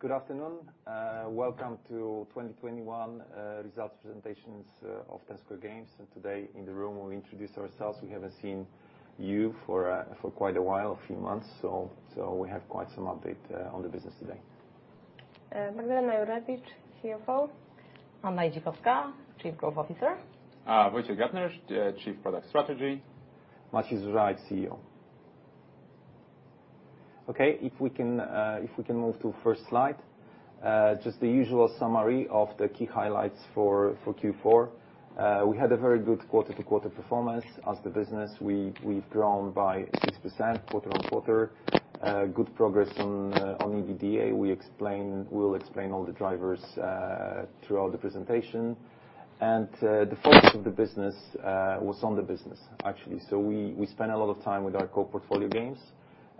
Good afternoon. Welcome to 2021 results presentations of Ten Square Games. Today in the room we'll introduce ourselves. We haven't seen you for quite a while, a few months, so we have quite some update on the business today. Magdalena Jurewicz, CFO. Anna Idzikowska, Chief Growth Officer. Wojciech Gattner, Chief of Product Strategy. Maciej Zużałek, CEO. Okay, if we can move to first slide. Just the usual summary of the key highlights for Q4. We had a very good quarter-on-quarter performance of the business. We've grown by 6% quarter-on-quarter. Good progress on EBITDA. We'll explain all the drivers throughout the presentation. The focus of the business was on the business actually. We spent a lot of time with our core portfolio games.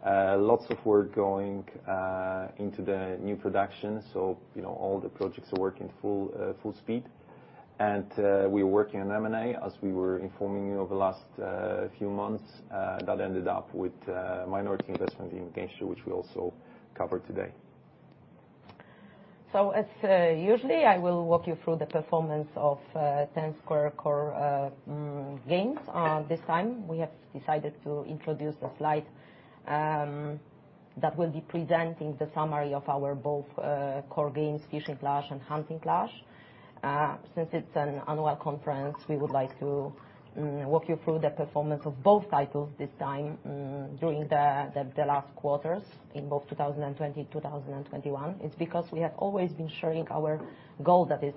Lots of work going into the new production. You know, all the projects are working full speed. We are working on M&A, as we were informing you over the last few months, that ended up with minority investment in Gamesture, which we also cover today. Usually, I will walk you through the performance of Ten Square Games core games. This time we have decided to introduce a slide that will be presenting the summary of both our core games, Fishing Clash and Hunting Clash. Since it's an annual conference, we would like to walk you through the performance of both titles this time during the last quarters in both 2020 and 2021. It's because we have always been sharing our goal, that is,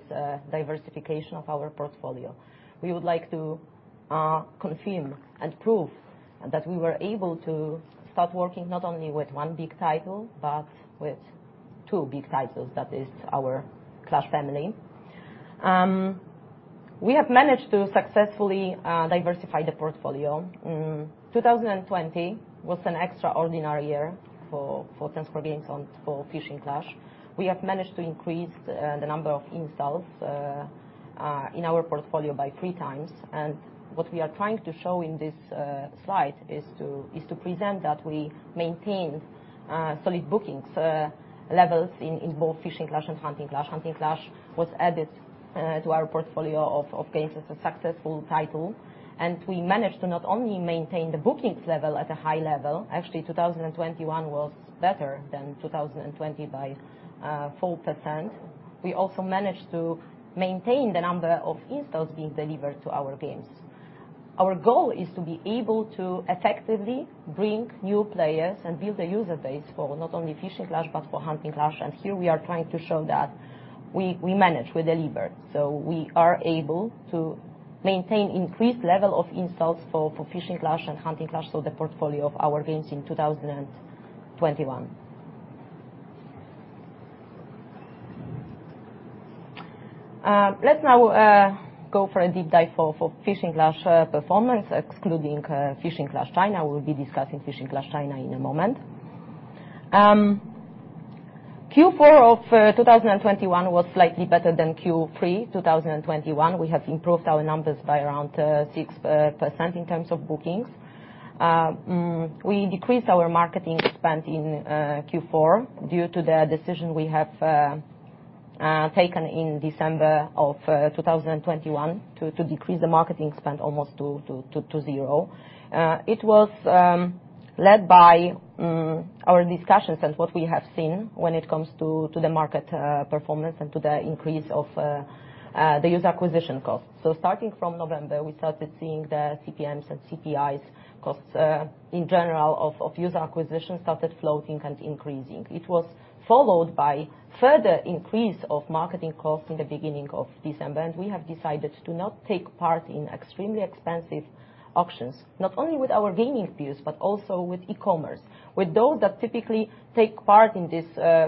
diversification of our portfolio. We would like to confirm and prove that we were able to start working not only with one big title, but with two big titles, that is our Clash family. We have managed to successfully diversify the portfolio. 2020 was an extraordinary year for Ten Square Games and for Fishing Clash. We have managed to increase the number of installs in our portfolio by three times. What we are trying to show in this slide is to present that we maintained solid bookings levels in both Fishing Clash and Hunting Clash. Hunting Clash was added to our portfolio of games. It's a successful title, and we managed to not only maintain the bookings level at a high level, actually 2021 was better than 2020 by 4%. We also managed to maintain the number of installs being delivered to our games. Our goal is to be able to effectively bring new players and build a user base for not only Fishing Clash, but for Hunting Clash. Here we are trying to show that we managed, we delivered. We are able to maintain increased level of installs for Fishing Clash and Hunting Clash, so the portfolio of our games in 2021. Let's now go for a deep dive for Fishing Clash performance, excluding Fishing Clash China. We'll be discussing Fishing Clash China in a moment. Q4 of 2021 was slightly better than Q3 2021. We have improved our numbers by around 6% in terms of bookings. We decreased our marketing spend in Q4 due to the decision we have taken in December of 2021 to decrease the marketing spend almost to zero. It was led by our discussions and what we have seen when it comes to the market performance and to the increase of the user acquisition costs. Starting from November, we started seeing the CPMs and CPIs costs in general of user acquisition started floating and increasing. It was followed by further increase of marketing costs in the beginning of December, and we have decided to not take part in extremely expensive auctions, not only with our gaming peers, but also with e-commerce with those that typically take part in these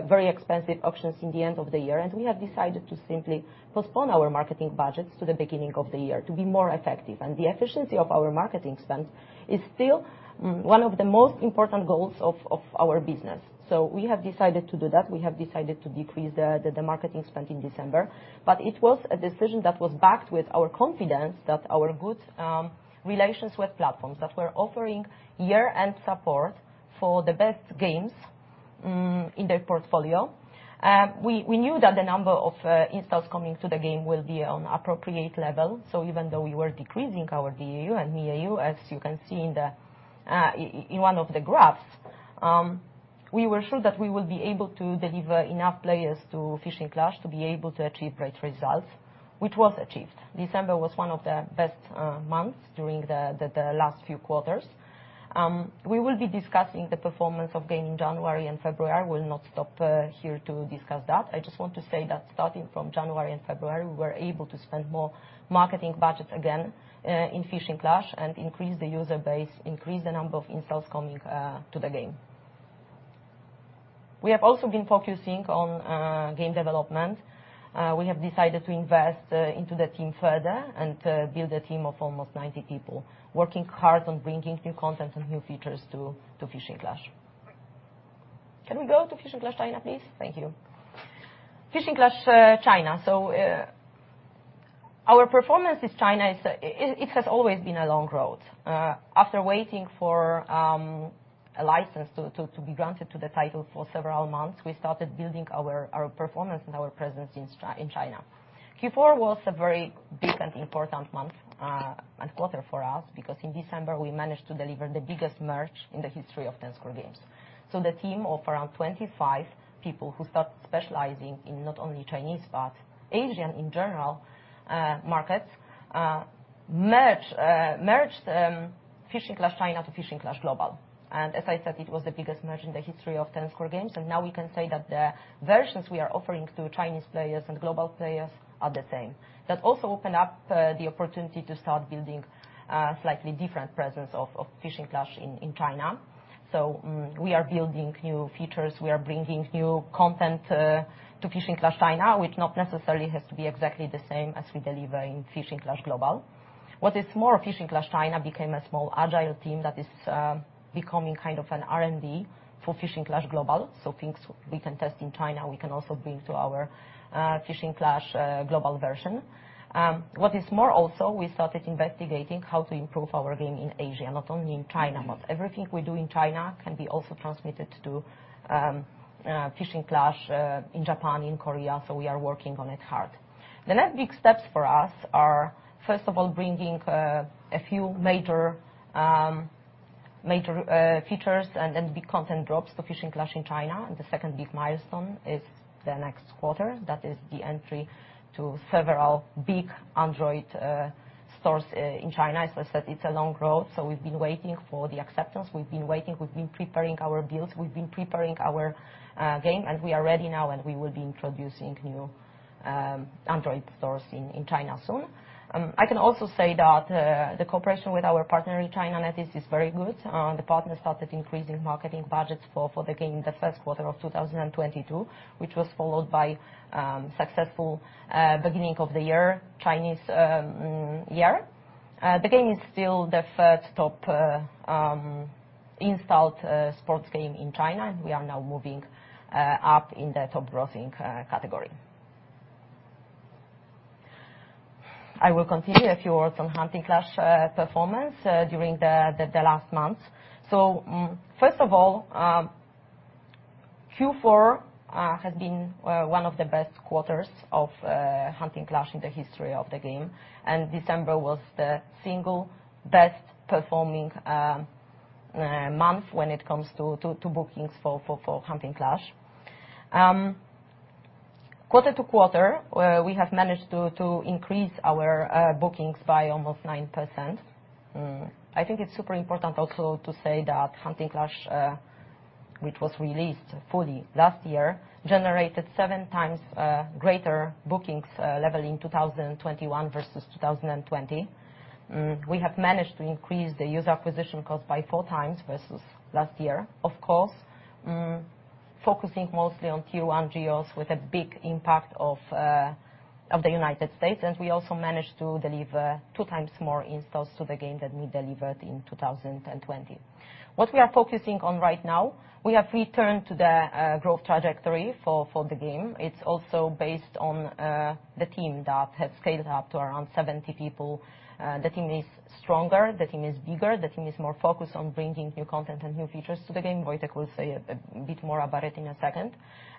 very expensive auctions in the end of the year. We have decided to simply postpone our marketing budgets to the beginning of the year to be more effective. The efficiency of our marketing spend is still one of the most important goals of our business. We have decided to do that. We have decided to decrease the marketing spend in December. It was a decision that was backed with our confidence that our good relations with platforms that were offering year-end support for the best games in their portfolio. We knew that the number of installs coming to the game will be on appropriate level. Even though we were decreasing our DAU and MAU, as you can see in one of the graphs, we were sure that we will be able to deliver enough players to Fishing Clash to be able to achieve great results, which was achieved. December was one of the best months during the last few quarters. We will be discussing the performance of the game in January and February. I will not stop here to discuss that. I just want to say that starting from January and February, we were able to spend more marketing budgets again in Fishing Clash and increase the user base, increase the number of installs coming to the game. We have also been focusing on game development. We have decided to invest into the team further and build a team of almost 90 people working hard on bringing new content and new features to Fishing Clash. Can we go to Fishing Clash China, please? Thank you. Fishing Clash China. Our performance in China is it has always been a long road. After waiting for a license to be granted to the title for several months, we started building our performance and our presence in China. Q4 was a very big and important month and quarter for us because in December we managed to deliver the biggest merge in the history of Ten Square Games. The team of around 25 people who start specializing in not only Chinese, but Asian in general, markets, merged Fishing Clash China to Fishing Clash Global. As I said, it was the biggest merge in the history of Ten Square Games. Now we can say that the versions we are offering to Chinese players and global players are the same. That also opened up the opportunity to start building slightly different presence of Fishing Clash in China. We are building new features. We are bringing new content to Fishing Clash China, which not necessarily has to be exactly the same as we deliver in Fishing Clash Global. What is more, Fishing Clash China became a small, agile team that is becoming kind of an R&D for Fishing Clash Global. Things we can test in China, we can also bring to our Fishing Clash Global version. What is more also, we started investigating how to improve our game in Asia, not only in China. Everything we do in China can be also transmitted to Fishing Clash in Japan, in Korea, so we are working on it hard. The next big steps for us are, first of all, bringing a few major features and big content drops to Fishing Clash in China. The second big milestone is the next quarter. That is the entry to several big Android stores in China. As I said, it's a long road, so we've been waiting for the acceptance. We've been waiting, we've been preparing our builds, we've been preparing our game. We are ready now, and we will be introducing new Android stores in China soon. I can also say that the cooperation with our partner in China, NetEase, is very good. The partner started increasing marketing budgets for the game in the first quarter of 2022, which was followed by successful beginning of the year, Chinese year. The game is still the first top installed sports game in China. We are now moving up in the top grossing category. I will continue a few words on Hunting Clash performance during the last months. First of all, Q4 has been one of the best quarters of Hunting Clash in the history of the game. December was the single best performing month when it comes to bookings for Hunting Clash. Quarter-over-quarter, we have managed to increase our bookings by almost 9%. I think it's super important also to say that Hunting Clash, which was released fully last year, generated seven times greater bookings level in 2021 versus 2020. We have managed to increase the user acquisition cost by four times versus last year. Of course, focusing mostly on Tier one geos with a big impact of the United States. We also managed to deliver two times more installs to the game than we delivered in 2020. What we are focusing on right now, we have returned to the growth trajectory for the game. It's also based on the team that have scaled up to around 70 people. The team is stronger, the team is bigger, the team is more focused on bringing new content and new features to the game. Wojciech will say a bit more about it in a second.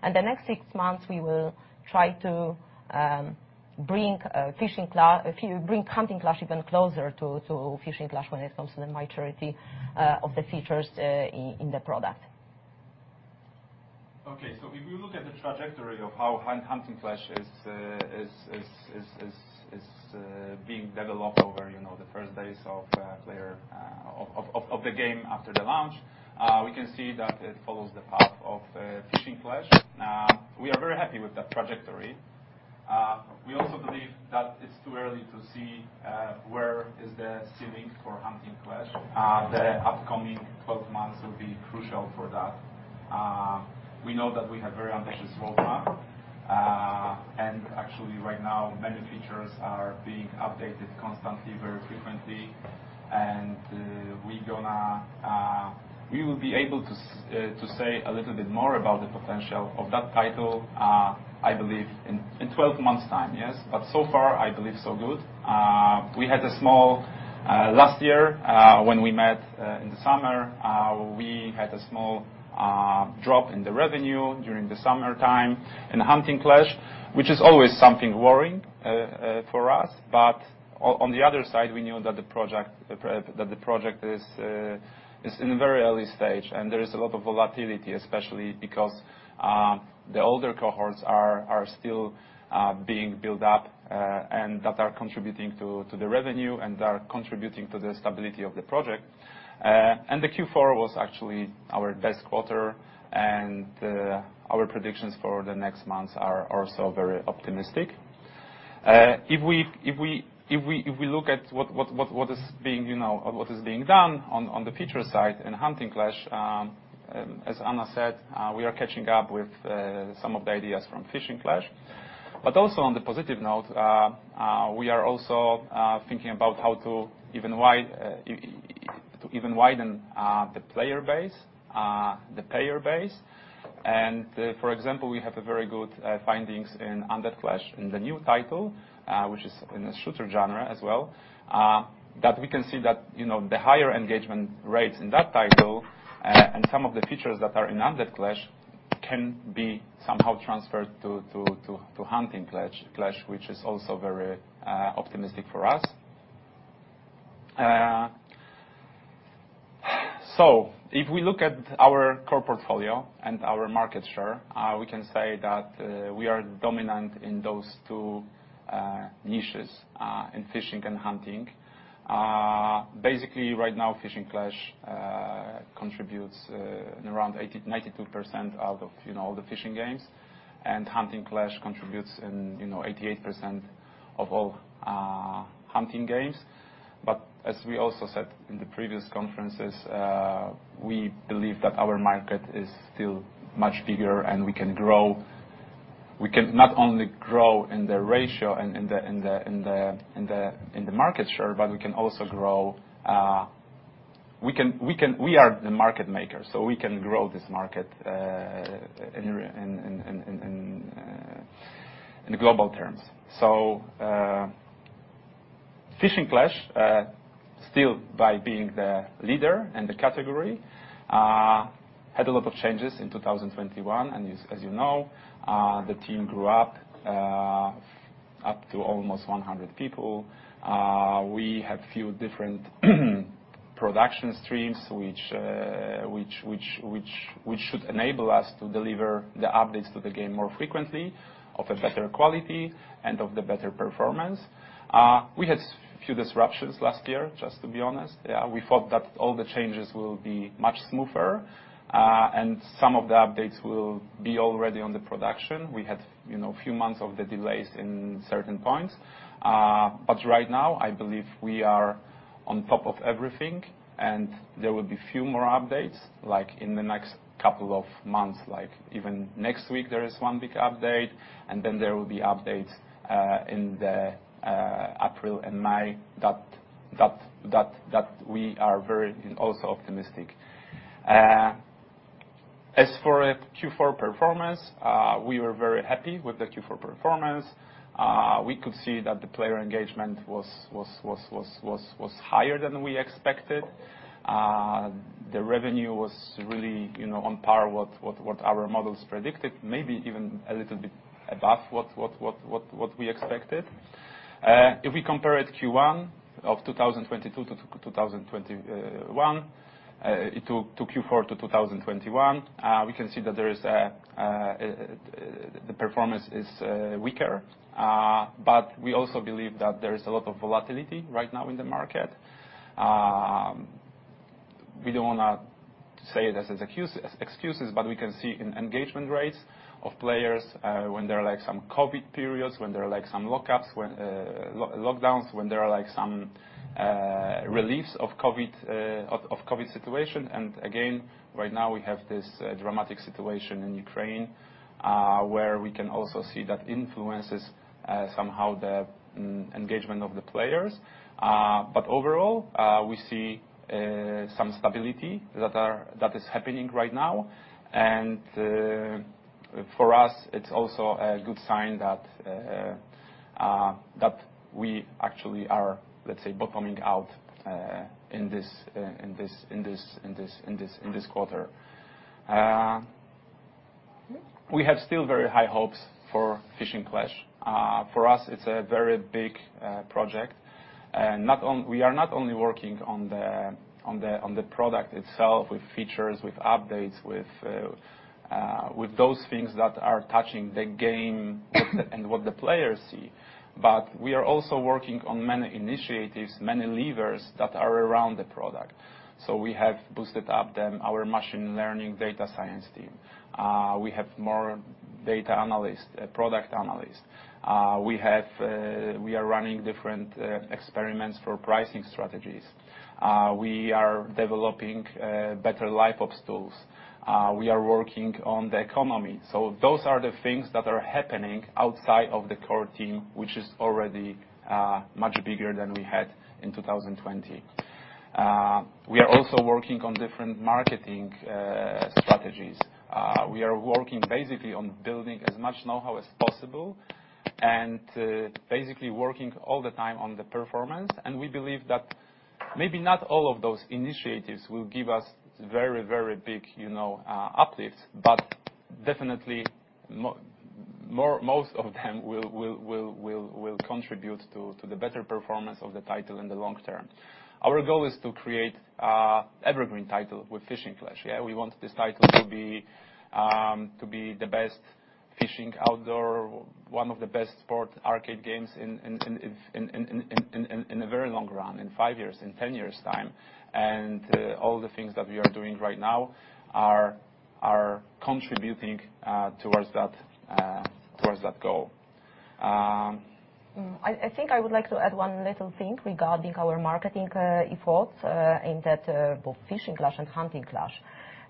The next six months we will try to bring Hunting Clash even closer to Fishing Clash when it comes to the maturity of the features in the product. Okay. If we look at the trajectory of how Hunting Clash is being developed over the first days of play of the game after the launch. We can see that it follows the path of Fishing Clash. We are very happy with that trajectory. We also believe that it's too early to see where is the ceiling for Hunting Clash. The upcoming 12 months will be crucial for that. We know that we have very ambitious roadmap. Actually right now many features are being updated constantly, very frequently. We will be able to say a little bit more about the potential of that title, I believe in 12 months time. Yes. So far, so good. We had a small drop in the revenue during the summertime in Hunting Clash last year when we met in the summer, which is always something worrying for us. On the other side, we knew that the project is in a very early stage, and there is a lot of volatility, especially because the older cohorts are still being built up, and that are contributing to the revenue and are contributing to the stability of the project. The Q4 was actually our best quarter, and our predictions for the next months are also very optimistic. If we look at what is being done on the feature side in Hunting Clash, you know, as Anna said, we are catching up with some of the ideas from Fishing Clash. Also on the positive note, we are also thinking about how to even widen the player base, the payer base. For example, we have a very good findings in Undead Clash in the new title, which is in the shooter genre as well, that we can see that, you know, the higher engagement rates in that title, and some of the features that are in Undead Clash can be somehow transferred to Hunting Clash, which is also very optimistic for us. If we look at our core portfolio and our market share, we can say that we are dominant in those two niches, in fishing and hunting. Basically right now, Fishing Clash contributes around 80%-92% out of, you know, all the fishing games, and Hunting Clash contributes in, you know, 88% of all hunting games. As we also said in the previous conferences, we believe that our market is still much bigger, and we can grow. We can not only grow in the ratio and in the market share, but we can also grow. We are the market makers, so we can grow this market in global terms. Fishing Clash still by being the leader in the category had a lot of changes in 2021. As you know, the team grew up to almost 100 people. We had few different production streams, which should enable us to deliver the updates to the game more frequently, of a better quality, and of the better performance. We had few disruptions last year, just to be honest. Yeah, we thought that all the changes will be much smoother, and some of the updates will be already on the production. We had, you know, few months of the delays in certain points. But right now I believe we are on top of everything, and there will be few more updates, like, in the next couple of months. Like, even next week, there is one big update, and then there will be updates in April and May that we are very also optimistic. As for Q4 performance, we were very happy with the Q4 performance. We could see that the player engagement was higher than we expected. The revenue was really, you know, on par what our models predicted, maybe even a little bit above what we expected. If we compare it Q1 of 2022 to 2021 to Q4 2021, we can see that the performance is weaker. We also believe that there is a lot of volatility right now in the market. We don't wanna say this as excuses, but we can see in engagement rates of players when there are, like, some COVID periods, when there are lockdowns, when there are, like, some reliefs of COVID situation. Again, right now we have this dramatic situation in Ukraine, where we can also see that influences somehow the engagement of the players. Overall, we see some stability that is happening right now. For us, it's also a good sign that we actually are, let's say, bottoming out in this quarter. We have still very high hopes for Fishing Clash. For us, it's a very big project. We are not only working on the product itself with features, with updates, with those things that are touching the game and what the players see. We are also working on many initiatives, many levers that are around the product. We have boosted up them, our machine learning data science team. We have more data analyst, product analyst. We are running different experiments for pricing strategies. We are developing better LiveOps tools. We are working on the economy. Those are the things that are happening outside of the core team, which is already much bigger than we had in 2020. We are also working on different marketing strategies. We are working basically on building as much know-how as possible and, basically working all the time on the performance. We believe that maybe not all of those initiatives will give us very, very big, you know, uplifts, but definitely most of them will contribute to the better performance of the title in the long term. Our goal is to create evergreen title with Fishing Clash, yeah. We want this title to be the best fishing outdoor, one of the best sport arcade games in a very long run, in five years, in 10 years' time. All the things that we are doing right now are contributing towards that goal. I think I would like to add one little thing regarding our marketing efforts in that both Fishing Clash and Hunting Clash.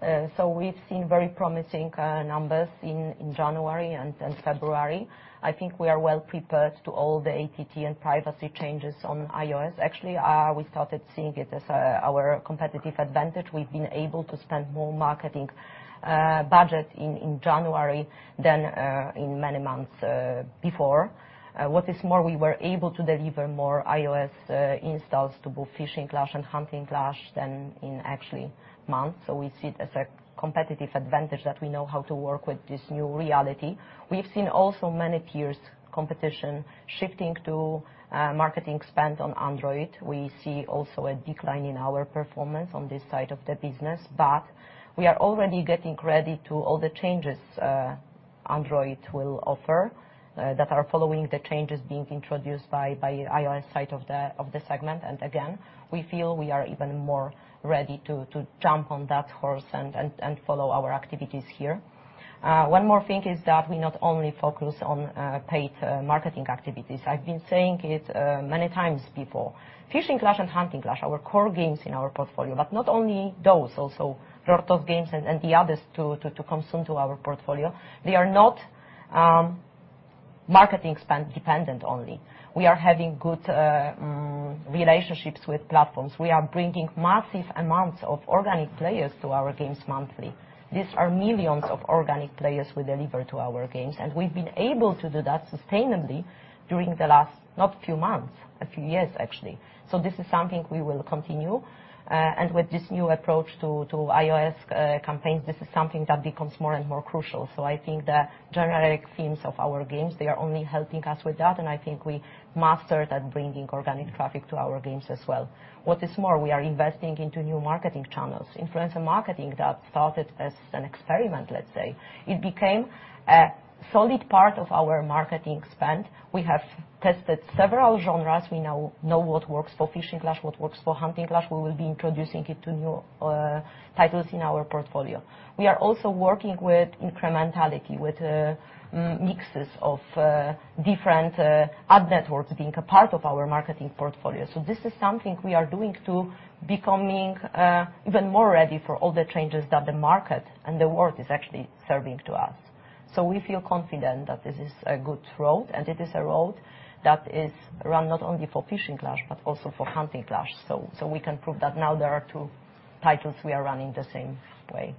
We've seen very promising numbers in January and February. I think we are well prepared to all the ATT and privacy changes on iOS. Actually, we started seeing it as our competitive advantage. We've been able to spend more marketing budget in January than in many months before. What is more, we were able to deliver more iOS installs to both Fishing Clash and Hunting Clash than in actually months. We see it as a competitive advantage that we know how to work with this new reality. We've seen also many peers' competition shifting to marketing spend on Android. We see also a decline in our performance on this side of the business. We are already getting ready to all the changes Android will offer that are following the changes being introduced by iOS side of the segment. We feel we are even more ready to jump on that horse and follow our activities here. One more thing is that we not only focus on paid marketing activities. I've been saying it many times before. Fishing Clash and Hunting Clash, our core games in our portfolio, but not only those, also Rortos games and the others to come soon to our portfolio, they are not marketing spend dependent only. We are having good relationships with platforms. We are bringing massive amounts of organic players to our games monthly. These are millions of organic players we deliver to our games, and we've been able to do that sustainably during the last a few years actually. This is something we will continue. With this new approach to iOS campaigns, this is something that becomes more and more crucial. I think the generic themes of our games, they are only helping us with that, and I think we mastered at bringing organic traffic to our games as well. What is more, we are investing into new marketing channels. Influencer marketing that started as an experiment, let's say, it became a solid part of our marketing spend. We have tested several genres. We now know what works for Fishing Clash, what works for Hunting Clash. We will be introducing it to new titles in our portfolio. We are also working with incrementality, with media mixes of different ad networks being a part of our marketing portfolio. This is something we are doing to becoming even more ready for all the changes that the market and the world is actually serving to us. We feel confident that this is a good road, and it is a road that is run not only for Fishing Clash, but also for Hunting Clash. We can prove that now there are two titles we are running the same way.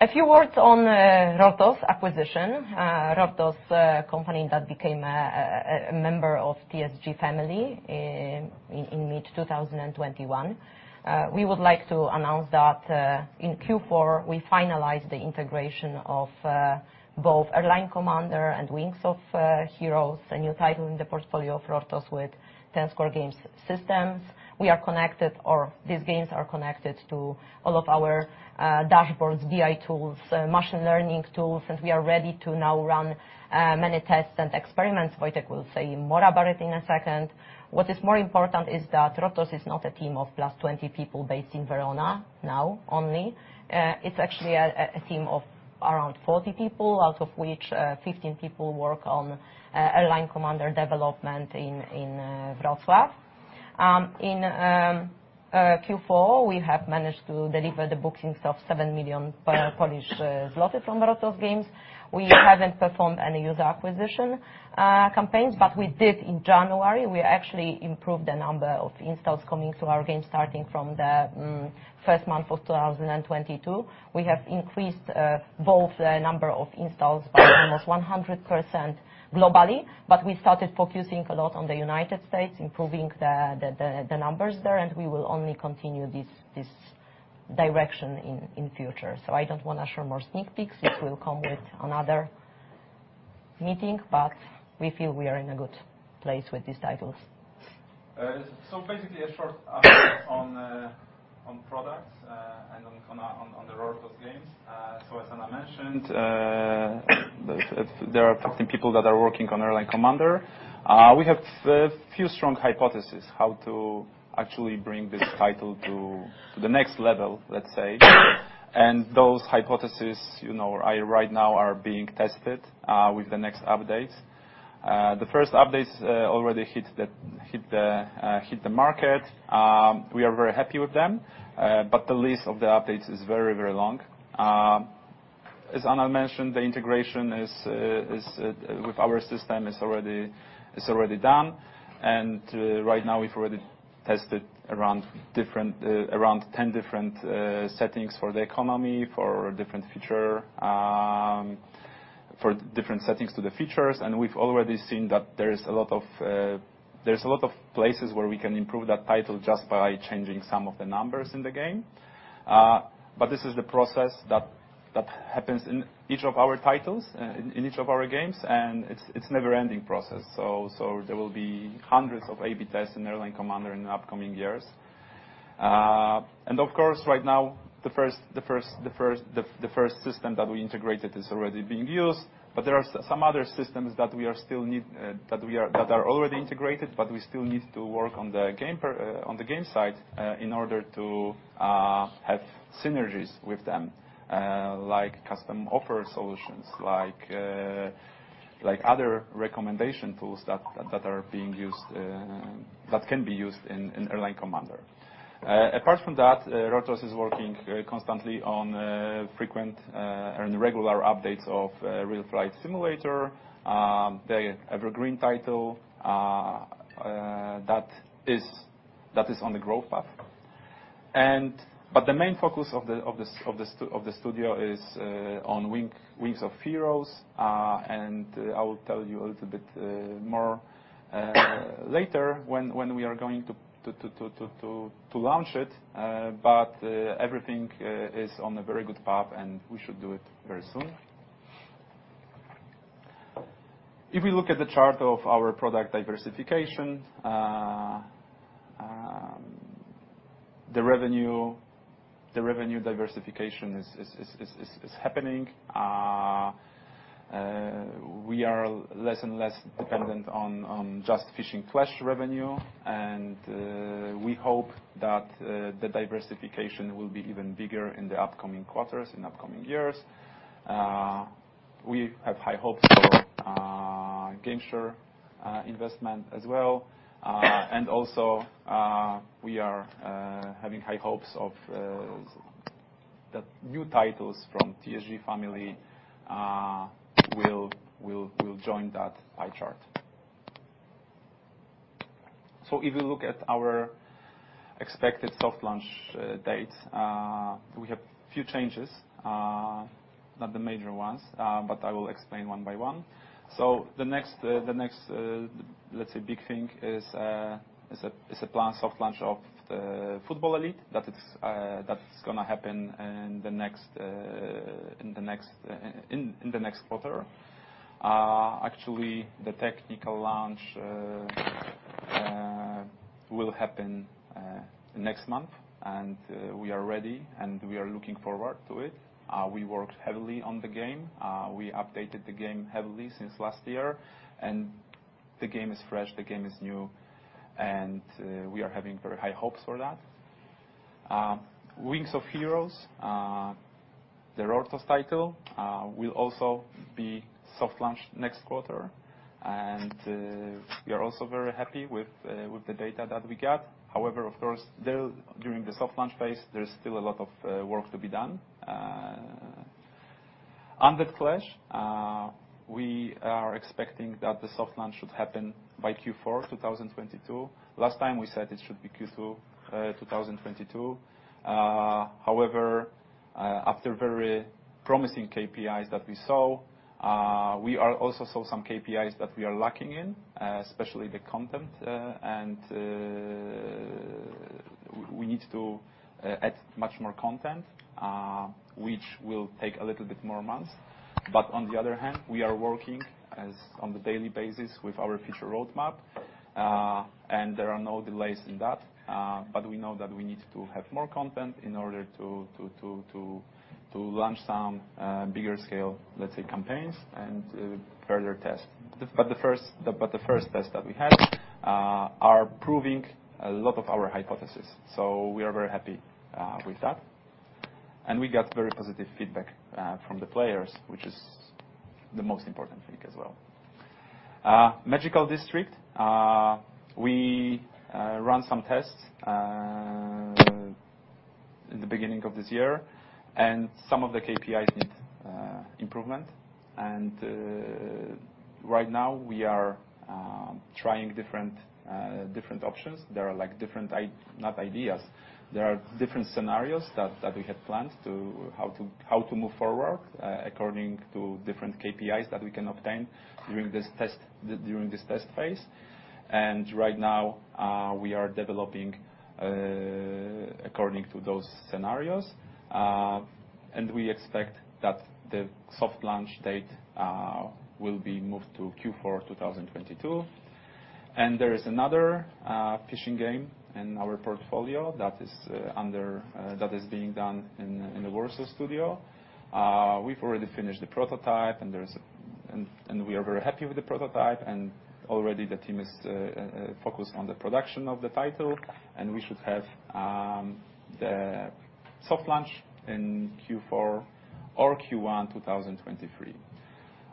A few words on Rortos' acquisition. Rortos' company that became a member of TSG family in mid-2021. We would like to announce that in Q4 we finalized the integration of both Airline Commander and Wings of Heroes, a new title in the portfolio of Rortos with Ten Square Games systems. We are connected, or these games are connected to all of our dashboards, BI tools, machine learning tools, and we are ready to now run many tests and experiments. Wojciech will say more about it in a second. What is more important is that Rortos is not a team of +20 people based in Verona now only. It's actually a team of around 40 people, out of which 15 people work on Airline Commander development in Wrocław. In Q4 we have managed to deliver the bookings of 7 million Polish zloty from Rortos' games. We haven't performed any user acquisition campaigns, but we did in January. We actually improved the number of installs coming to our game starting from the first month of 2022. We have increased both the number of installs by almost 100% globally, but we started focusing a lot on the United States, improving the numbers there, and we will only continue this direction in future. I don't wanna show more sneak peeks. It will come with another meeting, but we feel we are in a good place with these titles. Basically a short update on products and on the Rortos games. As Anna mentioned, there are testing people that are working on Airline Commander. We have a few strong hypotheses how to actually bring this title to the next level, let's say. Those hypotheses, you know, are right now being tested with the next updates. The first updates already hit the market. We are very happy with them. But the list of the updates is very, very long. As Anna mentioned, the integration with our system is already done. Right now we've already tested around 10 different settings for the economy, for different features, for different settings to the features. We've already seen that there's a lot of places where we can improve that title just by changing some of the numbers in the game. This is the process that happens in each of our titles, in each of our games, and it's never-ending process. There will be hundreds of A/B tests in Airline Commander in the upcoming years. Of course, right now, the first system that we integrated is already being used. There are some other systems that we still need that are already integrated, but we still need to work on the game perspective, on the game side, in order to have synergies with them, like custom offer solutions, like other recommendation tools that are being used that can be used in Airline Commander. Apart from that, Rortos is working constantly on frequent and regular updates of Real Flight Simulator, the evergreen title that is on the growth path. The main focus of the studio is on Wings of Heroes. I will tell you a little bit more later when we are going to launch it. Everything is on a very good path, and we should do it very soon. If we look at the chart of our product diversification, the revenue diversification is happening. We are less and less dependent on just Fishing Clash revenue. We hope that the diversification will be even bigger in the upcoming quarters, in upcoming years. We have high hopes for Gamesture investment as well. We are having high hopes that new titles from TSG family will join that pie chart. If you look at our expected soft launch date, we have few changes, not the major ones. I will explain one by one. The next, let's say big thing is a plan soft launch of Football Elite. That's gonna happen in the next quarter. Actually, the technical launch will happen next month, and we are ready, and we are looking forward to it. We worked heavily on the game. We updated the game heavily since last year, and the game is fresh, the game is new, and we are having very high hopes for that. Wings of Heroes, the Rortos title, will also be soft launched next quarter. We are also very happy with the data that we got. However, of course, there, during the soft launch phase, there's still a lot of work to be done. Undead Clash, we are expecting that the soft launch should happen by Q4 2022. Last time we said it should be Q2 2022. However, after very promising KPIs that we saw, we also saw some KPIs that we are lacking in, especially the content. We need to add much more content, which will take a little bit more months. On the other hand, we are working on a daily basis with our future roadmap, and there are no delays in that. We know that we need to have more content in order to launch some bigger scale, let's say, campaigns and further test. The first test that we had are proving a lot of our hypothesis, so we are very happy with that. We got very positive feedback from the players, which is the most important thing as well. Magical District, we run some tests in the beginning of this year, and some of the KPIs need improvement. Right now we are trying different options. There are different scenarios that we had planned how to move forward according to different KPIs that we can obtain during this test phase. Right now, we are developing according to those scenarios. We expect that the soft launch date will be moved to Q4 2022. There is another fishing game in our portfolio that is being done in the Warsaw studio. We've already finished the prototype, and we are very happy with the prototype. Already the team is focused on the production of the title, and we should have the soft launch in Q4 or Q1 2023.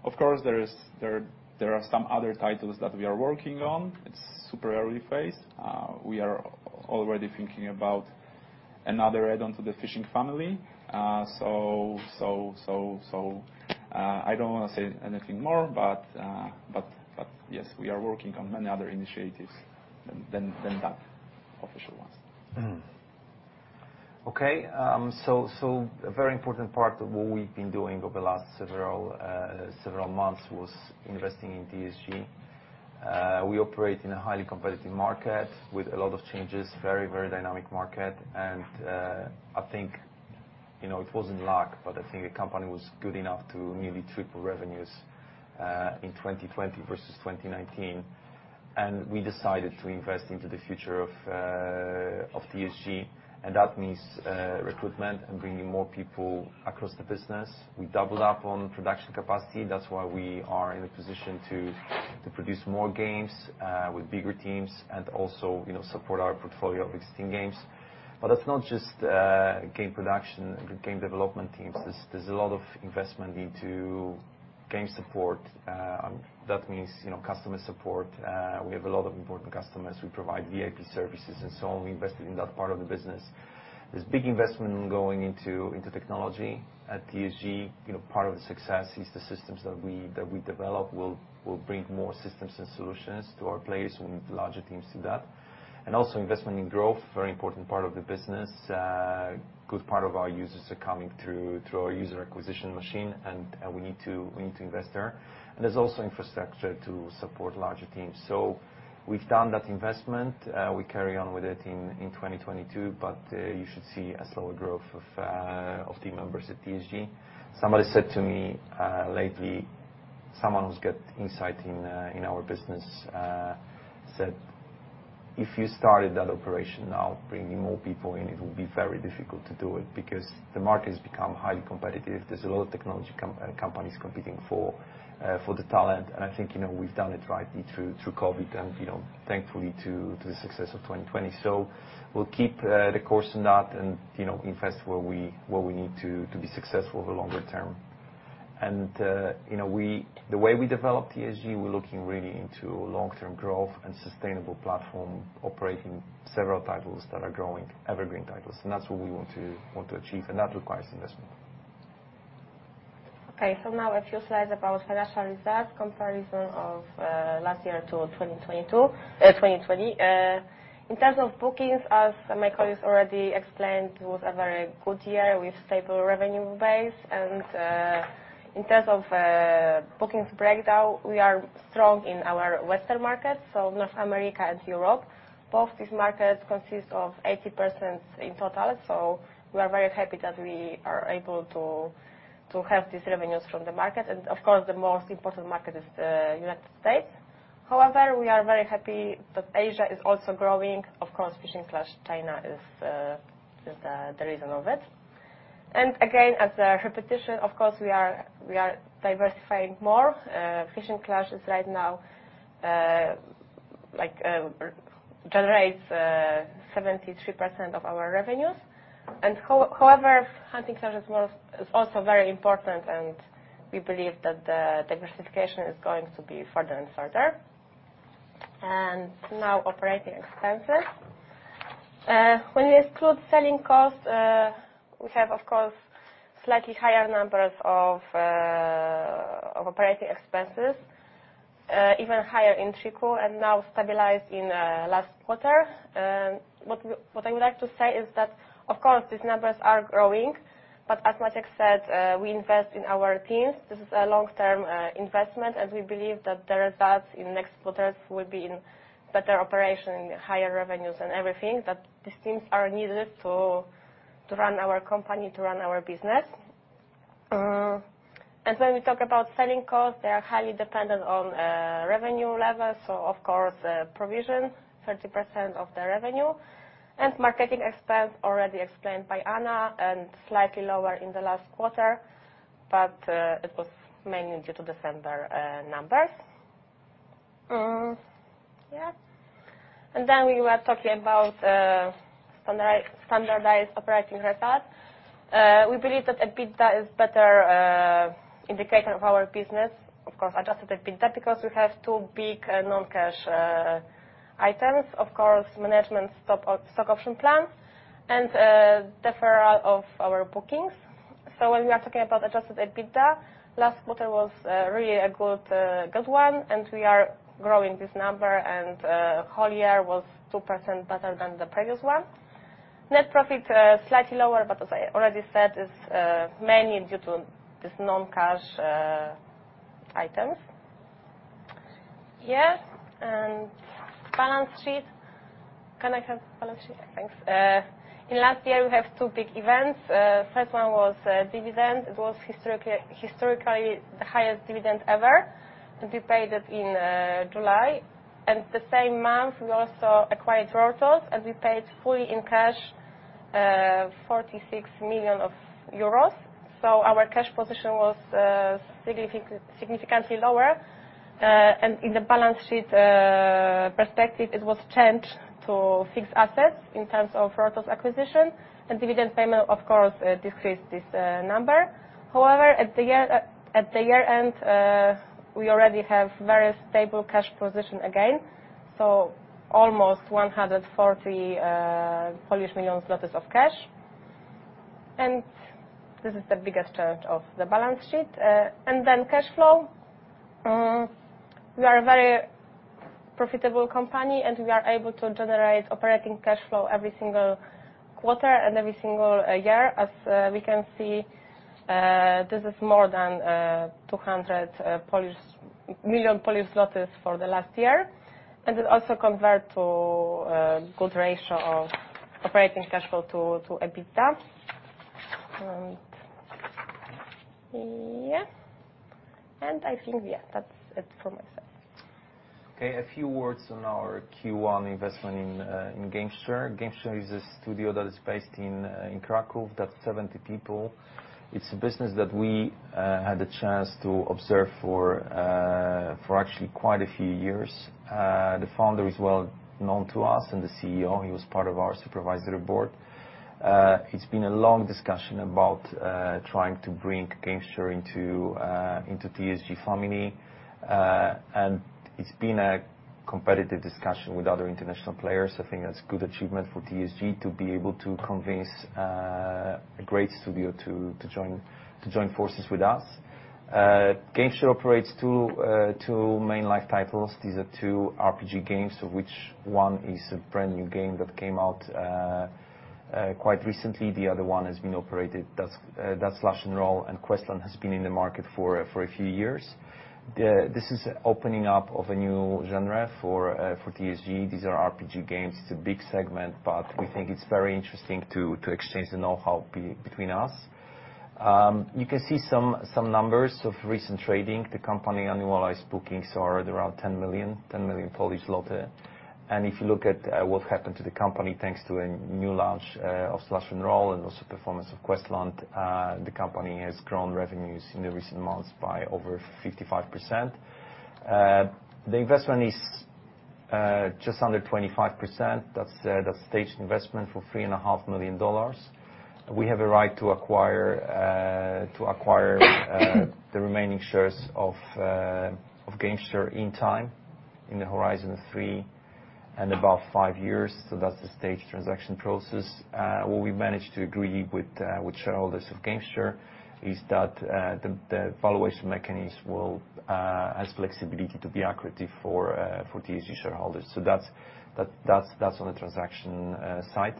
Of course, there are some other titles that we are working on. It's super early phase. We are already thinking about another add-on to the Fishing family. So I don't wanna say anything more, but yes, we are working on many other initiatives than that official ones. Mm-hmm. Okay. A very important part of what we've been doing over the last several months was investing in TSG. We operate in a highly competitive market with a lot of changes, very dynamic market. I think, you know, it wasn't luck, but I think the company was good enough to nearly triple revenues in 2020 versus 2019. We decided to invest into the future of TSG, and that means recruitment and bringing more people across the business. We doubled up on production capacity. That's why we are in a position to produce more games with bigger teams and also, you know, support our portfolio of existing games. That's not just game production, game development teams. There's a lot of investment into game support, that means, you know, customer support. We have a lot of important customers. We provide VIP services and so on. We invested in that part of the business. There's big investment going into technology at TSG. You know, part of the success is the systems that we develop will bring more systems and solutions to our players. We need larger teams to that. Also investment in growth, very important part of the business. Good part of our users are coming through our user acquisition machine, and we need to invest there. There's also infrastructure to support larger teams. We've done that investment. We carry on with it in 2022, but you should see a slower growth of team members at TSG. Somebody said to me lately, someone who's got insight in our business said, "If you started that operation now, bringing more people in, it will be very difficult to do it because the market has become highly competitive." There's a lot of technology companies competing for the talent. I think, you know, we've done it rightly through COVID and, you know, thankfully to the success of 2020. We'll keep the course on that and, you know, invest where we need to be successful over longer term. You know, the way we develop TSG, we're looking really into long-term growth and sustainable platform, operating several titles that are growing, evergreen titles, and that's what we want to achieve, and that requires investment. Okay, now a few slides about financial results, comparison of last year to 2022, 2020. In terms of bookings, as my colleague already explained, it was a very good year with stable revenue base. In terms of bookings breakdown, we are strong in our Western markets, so North America and Europe. Both these markets consist of 80% in total, so we are very happy that we are able to have these revenues from the market. Of course, the most important market is the United States. However, we are very happy that Asia is also growing. Of course, Fishing Clash China is the reason for it. Again, as a repetition, of course, we are diversifying more. Fishing Clash is right now, like, generates 73% of our revenues. However, Hunting Clash is also very important, and we believe that the diversification is going to be further and further. Now operating expenses. When we exclude selling costs, we have, of course, slightly higher numbers of operating expenses, even higher in Q3 and now stabilized in last quarter. What I would like to say is that, of course, these numbers are growing, but as Maciek said, we invest in our teams. This is a long-term investment, and we believe that the results in next quarters will be in better operation, higher revenues and everything, that these teams are needed to run our company, to run our business. When we talk about selling costs, they are highly dependent on revenue levels, so of course, provision, 30% of the revenue. Marketing expense already explained by Anna and slightly lower in the last quarter, but it was mainly due to December numbers. We were talking about standardized operating results. We believe that EBITDA is better indicator of our business, of course, Adjusted EBITDA, because we have two big non-cash items, of course, management stock option plan and deferral of our bookings. When we are talking about Adjusted EBITDA, last quarter was really a good one, and we are growing this number, and whole year was 2% better than the previous one. Net profit slightly lower, but as I already said, is mainly due to these non-cash items. Balance sheet. Can I have balance sheet? Thanks. In last year, we have two big events. First one was dividend. It was historically the highest dividend ever, and we paid it in July. The same month, we also acquired Rortos, and we paid fully in cash, 46 million euros. Our cash position was significantly lower. In the balance sheet perspective, it was changed to fixed assets in terms of Rortos acquisition. Dividend payment, of course, decreased this number. However, at the year-end, we already have very stable cash position again, so almost 140 million zlotys of cash. This is the biggest change of the balance sheet. Cash flow. We are a very profitable company, and we are able to generate operating cash flow every single quarter and every single year. As we can see, this is more than 200 million Polish zlotys for the last year. It also convert to a good ratio of operating cash flow to EBITDA. Yeah. I think, yeah, that's it for my side. Okay, a few words on our Q1 investment in Gamesture. Gamesture is a studio that is based in Kraków. They have 70 people. It's a business that we had the chance to observe for actually quite a few years. The founder is well known to us and the CEO. He was part of our supervisory board. It's been a long discussion about trying to bring Gamesture into TSG family. It's been a competitive discussion with other international players. I think that's good achievement for TSG to be able to convince a great studio to join forces with us. Gamesture operates two main live titles. These are two RPG games, of which one is a brand-new game that came out quite recently. The other one has been operated, that's Slash & Roll, and Questland has been in the market for a few years. This is opening up of a new genre for TSG. These are RPG games. It's a big segment, but we think it's very interesting to exchange the know-how between us. You can see some numbers of recent trading. The company annualized bookings are around 10 million. If you look at what happened to the company thanks to a new launch of Slash & Roll and also performance of Questland, the company has grown revenues in the recent months by over 55%. The investment is just under 25%. That's the stage investment for $3.5 million. We have a right to acquire the remaining shares of Gamesture in time, in the horizon of three and about five years. That's the stage transaction process. What we managed to agree with shareholders of Gamesture is that the valuation mechanism has flexibility to be accretive for TSG shareholders. That's on the transaction side.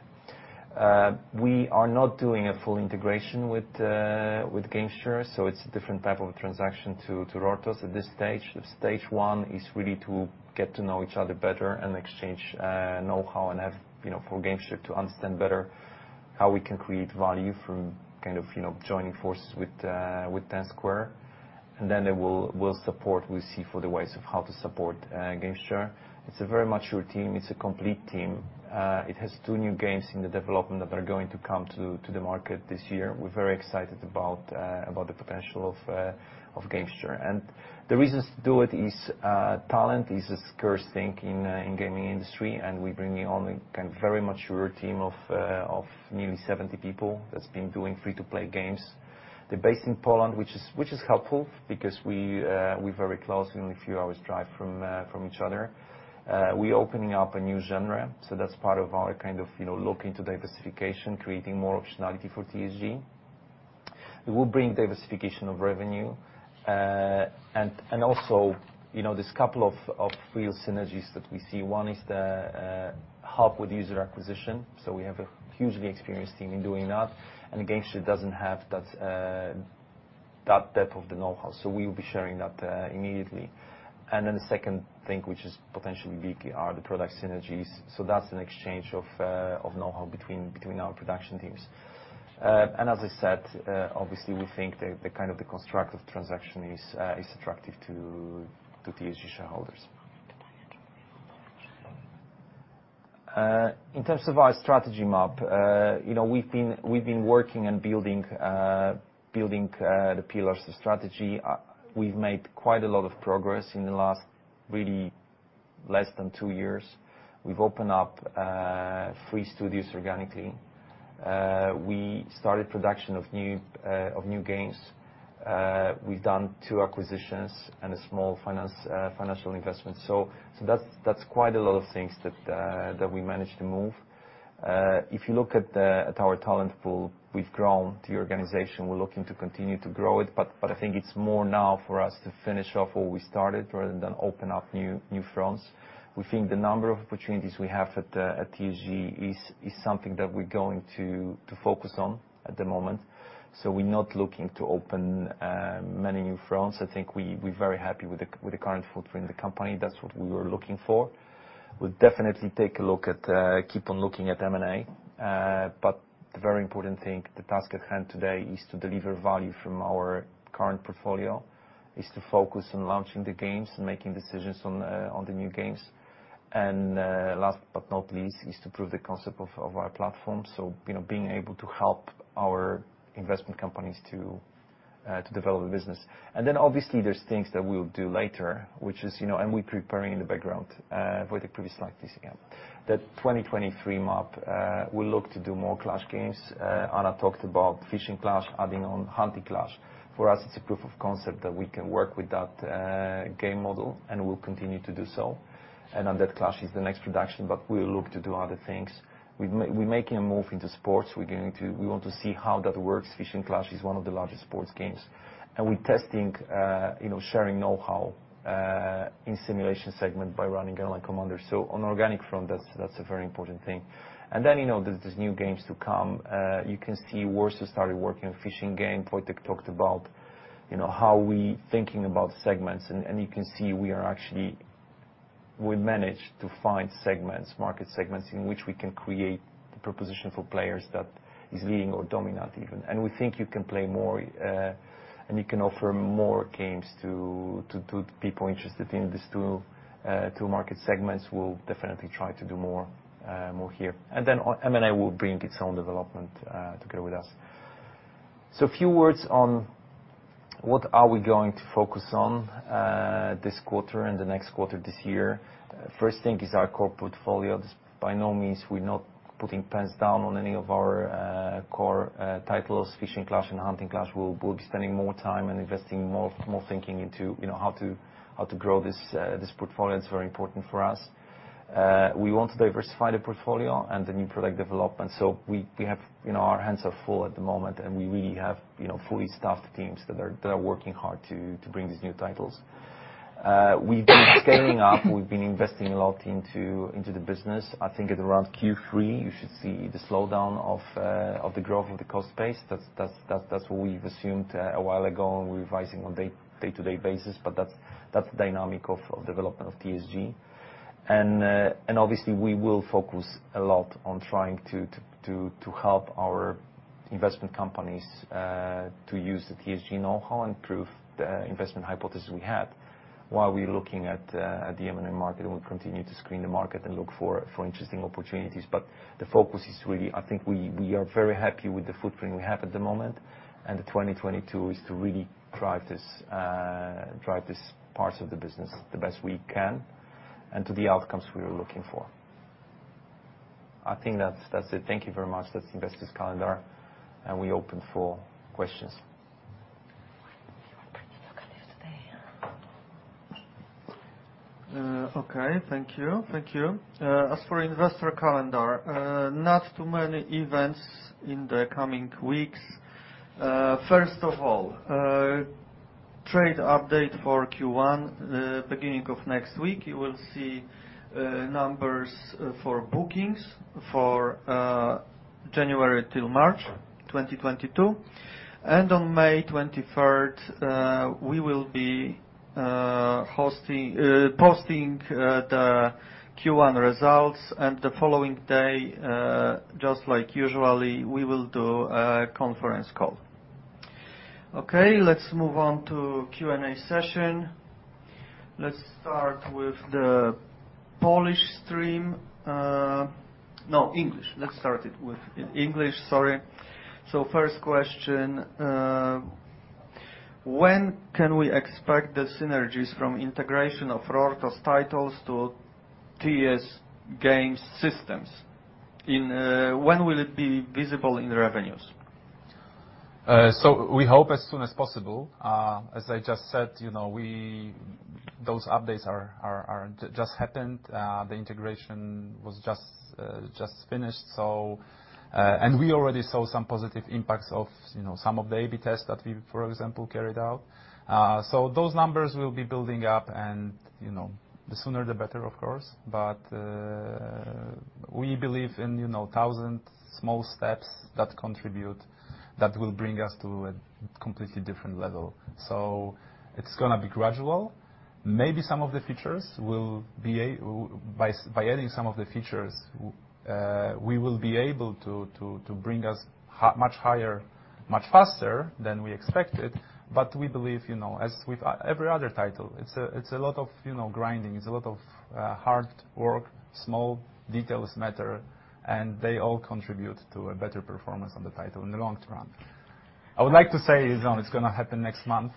We are not doing a full integration with Gamesture, so it's a different type of transaction to Rortos at this stage. Stage one is really to get to know each other better and exchange know-how and have, you know, for Gamesture to understand better how we can create value from kind of, you know, joining forces with Ten Square Games. Then they will support. We see the ways of how to support Gamesture. It's a very mature team. It's a complete team. It has two new games in development that are going to come to the market this year. We're very excited about the potential of Gamesture. The reasons to do it is talent is a scarce thing in the gaming industry, and we're bringing on a kind of very mature team of nearly 70 people that's been doing free-to-play games. They're based in Poland, which is helpful because we're very close, only a few hours drive from each other. We're opening up a new genre, so that's part of our kind of, you know, look into diversification, creating more optionality for TSG. It will bring diversification of revenue. And also, you know, there's a couple of real synergies that we see. One is the help with user acquisition. So we have a hugely experienced team in doing that, and Gamesture doesn't have that depth of the know-how. So we'll be sharing that immediately. And then the second thing, which is potentially big, are the product synergies. So that's an exchange of know-how between our production teams. And as I said, obviously, we think the kind of the construct of transaction is attractive to TSG shareholders. In terms of our strategy map, you know, we've been working and building the pillars of strategy. We've made quite a lot of progress in the last really less than two years. We've opened up three studios organically. We started production of new games. We've done two acquisitions and a small financial investment. That's quite a lot of things that we managed to move. If you look at our talent pool, we've grown the organization. We're looking to continue to grow it, but I think it's more now for us to finish off what we started rather than open up new fronts. We think the number of opportunities we have at TSG is something that we're going to focus on at the moment. We're not looking to open many new fronts. I think we're very happy with the current footprint in the company. That's what we were looking for. We'll definitely take a look at keep on looking at M&A. The very important thing, the task at hand today is to deliver value from our current portfolio, is to focus on launching the games and making decisions on the new games. Last but not least, is to prove the concept of our platform. You know, being able to help our investment companies to develop the business. Then obviously there's things that we'll do later, which is, you know, and we're preparing in the background, for the previous slide please, again. The 2023 map, we look to do more Clash games. Anna talked about Fishing Clash, adding on Hunting Clash. For us, it's a proof of concept that we can work with that game model, and we'll continue to do so. Undead Clash is the next production, but we'll look to do other things. We're making a move into sports. We want to see how that works. Fishing Clash is one of the largest sports games. We're testing, you know, sharing know-how in simulation segment by running Airline Commander. On organic front, that's a very important thing. Then, you know, there's these new games to come. You can see Warsaw started working on fishing game. Wojciech talked about, you know, how we thinking about segments, and you can see we are actually. We managed to find segments, market segments in which we can create the proposition for players that is leading or dominant even. We think you can play more, and you can offer more games to people interested in these two market segments. We'll definitely try to do more here. On M&A will bring its own development together with us. A few words on what we are going to focus on this quarter and the next quarter this year. First thing is our core portfolio. By no means we're not putting pens down on any of our core titles, Fishing Clash and Hunting Clash. We'll be spending more time and investing more thinking into you know, how to grow this portfolio. It's very important for us. We want to diversify the portfolio and the new product development. We have you know, our hands are full at the moment, and we really have, you know, fully staffed teams that are working hard to bring these new titles. We've been scaling up, we've been investing a lot into the business. I think at around Q3, you should see the slowdown of the growth of the cost base. That's what we've assumed a while ago, and we're advising on day-to-day basis. That's the dynamic of development of TSG. Obviously we will focus a lot on trying to help our investment companies to use the TSG know-how and prove the investment hypothesis we have, while we're looking at the M&A market. We'll continue to screen the market and look for interesting opportunities. The focus is really. I think we are very happy with the footprint we have at the moment. The 2022 is to really drive this part of the business the best we can and to the outcomes we are looking for. I think that's it. Thank you very much. That's investors' calendar, and we're open for questions. You open your calendar today. Okay. Thank you. As for investor calendar, not too many events in the coming weeks. First of all, trade update for Q1. Beginning of next week, you will see numbers for bookings for January till March 2022. On May 23, we will be posting the Q1 results. The following day, just like usually, we will do a conference call. Okay, let's move on to Q and A session. Let's start with the Polish stream. No, English. Let's start it in English. Sorry. First question, when can we expect the synergies from integration of Rortos titles to TSG systems? When will it be visible in revenues? We hope as soon as possible. As I just said, you know, those updates are just happened. The integration was just finished. We already saw some positive impacts of, you know, some of the A/B tests that we, for example, carried out. Those numbers will be building up and, you know, the sooner the better, of course. We believe in, you know, thousand small steps that contribute, that will bring us to a completely different level. It's gonna be gradual. Maybe some of the features will be. By adding some of the features, we will be able to bring us much higher, much faster than we expected. We believe, you know, as with every other title, it's a lot of, you know, grinding. It's a lot of hard work, small details matter, and they all contribute to a better performance on the title in the long term. I would like to say, you know, it's gonna happen next month,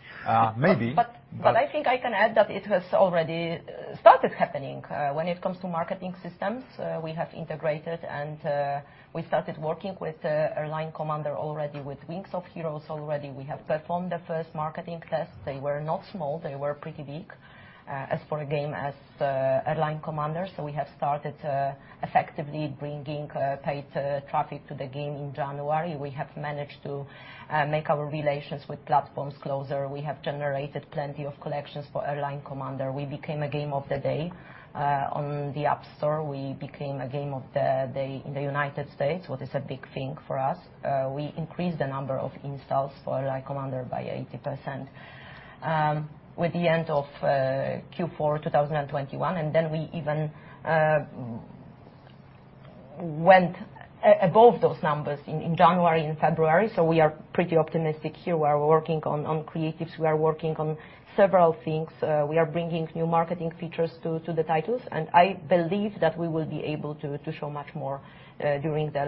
maybe. I think I can add that it has already started happening. When it comes to marketing systems, we have integrated and we started working with Airline Commander already with Wings of Heroes already. We have performed the first marketing test. They were not small. They were pretty big as for a game as Airline Commander. We have started effectively bringing paid traffic to the game in January. We have managed to make our relations with platforms closer. We have generated plenty of collections for Airline Commander. We became a game of the day on the App Store. We became a game of the day in the United States, which is a big thing for us. We increased the number of installs for Airline Commander by 80%, with the end of Q4 2021, and then we even went above those numbers in January and February. We are pretty optimistic here. We are working on creatives. We are working on several things. We are bringing new marketing features to the titles. I believe that we will be able to show much more during the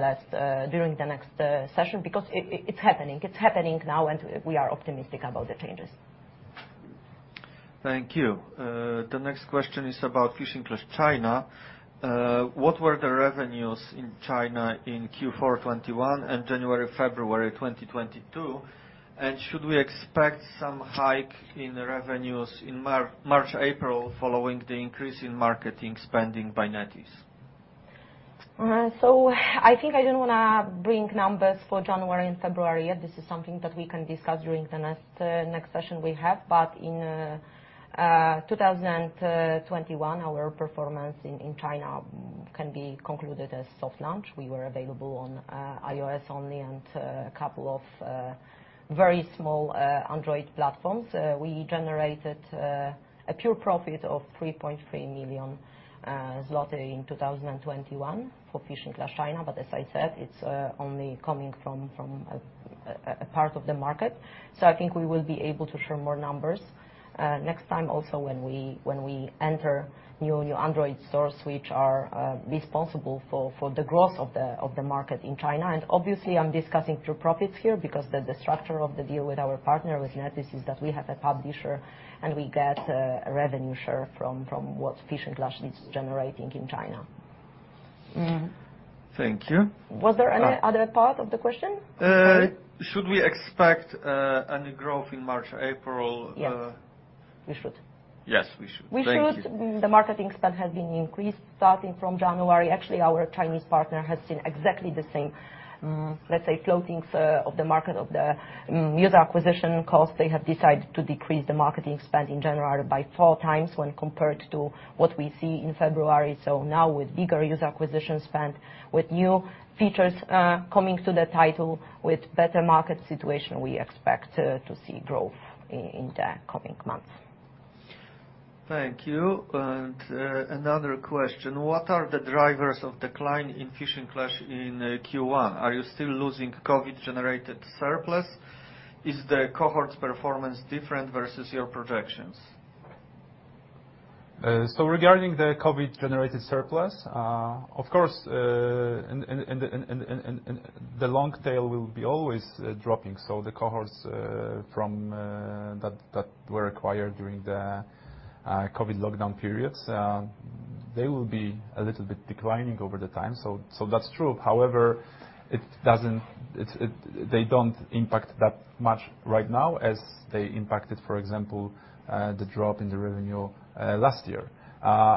next session because it's happening. It's happening now, and we are optimistic about the changes. Thank you. The next question is about Fishing Clash China. What were the revenues in China in Q4 2021 and January, February 2022? Should we expect some hike in revenues in March, April following the increase in marketing spending by NetEase? I think I don't wanna bring numbers for January and February yet. This is something that we can discuss during the next session we have. In 2021, our performance in China can be concluded as soft launch. We were available on iOS only and a couple of very small Android platforms. We generated a pure profit of 3.3 million zloty in 2021 for Fishing Clash China. As I said, it's only coming from a part of the market. I think we will be able to share more numbers next time also when we enter new Android stores, which are responsible for the growth of the market in China. Obviously, I'm discussing pure profits here because the structure of the deal with our partner, with NetEase, is that we have a publisher and we get a revenue share from what Fishing Clash is generating in China. Thank you. Was there any other part of the question? Sorry. Should we expect any growth in March, April? Yes. We should. Yes, we should. Thank you. We should. The marketing spend has been increased starting from January. Actually, our Chinese partner has seen exactly the same, let's say, fluctuations of the market of the user acquisition costs. They have decided to decrease the marketing spend in January by four times when compared to what we see in February. Now with bigger user acquisition spend, with new features coming to the title, with better market situation, we expect to see growth in the coming months. Thank you. Another question. What are the drivers of decline in Fishing Clash in Q1? Are you still losing COVID-generated surplus? Is the cohort's performance different versus your projections? Regarding the COVID-generated surplus, of course, in the long tail will be always dropping. The cohorts from that were acquired during the COVID lockdown periods, they will be a little bit declining over time. That's true. However, they don't impact that much right now as they impacted, for example, the drop in the revenue last year.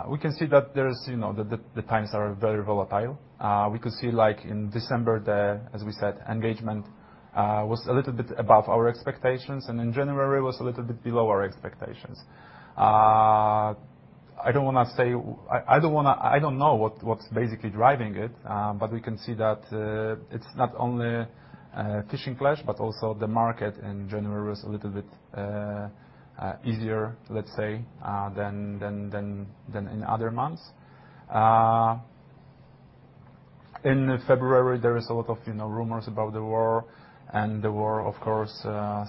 We can see that there is, you know, the times are very volatile. We could see, like in December, as we said, engagement was a little bit above our expectations, and in January, it was a little bit below our expectations. I don't want to say... I don't know what's basically driving it, but we can see that it's not only Fishing Clash, but also the market in January was a little bit easier, let's say, than in other months. In February, there is a lot of, you know, rumors about the war, and the war, of course,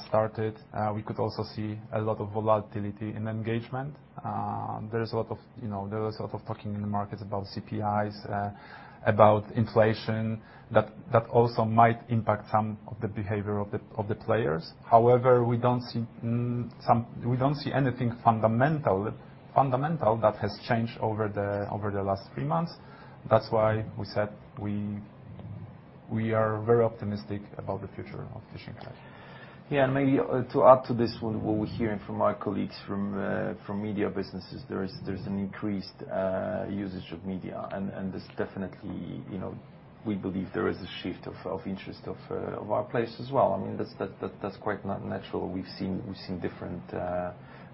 started. We could also see a lot of volatility in engagement. There was a lot of talking in the markets about CPIs, about inflation, that also might impact some of the behavior of the players. However, we don't see anything fundamental that has changed over the last three months. That's why we said we are very optimistic about the future of Fishing Clash. Yeah. Maybe to add to this, what we're hearing from our colleagues from media businesses, there's an increased usage of media. This definitely, you know, we believe there is a shift of interest of our place as well. I mean, that's quite natural. We've seen different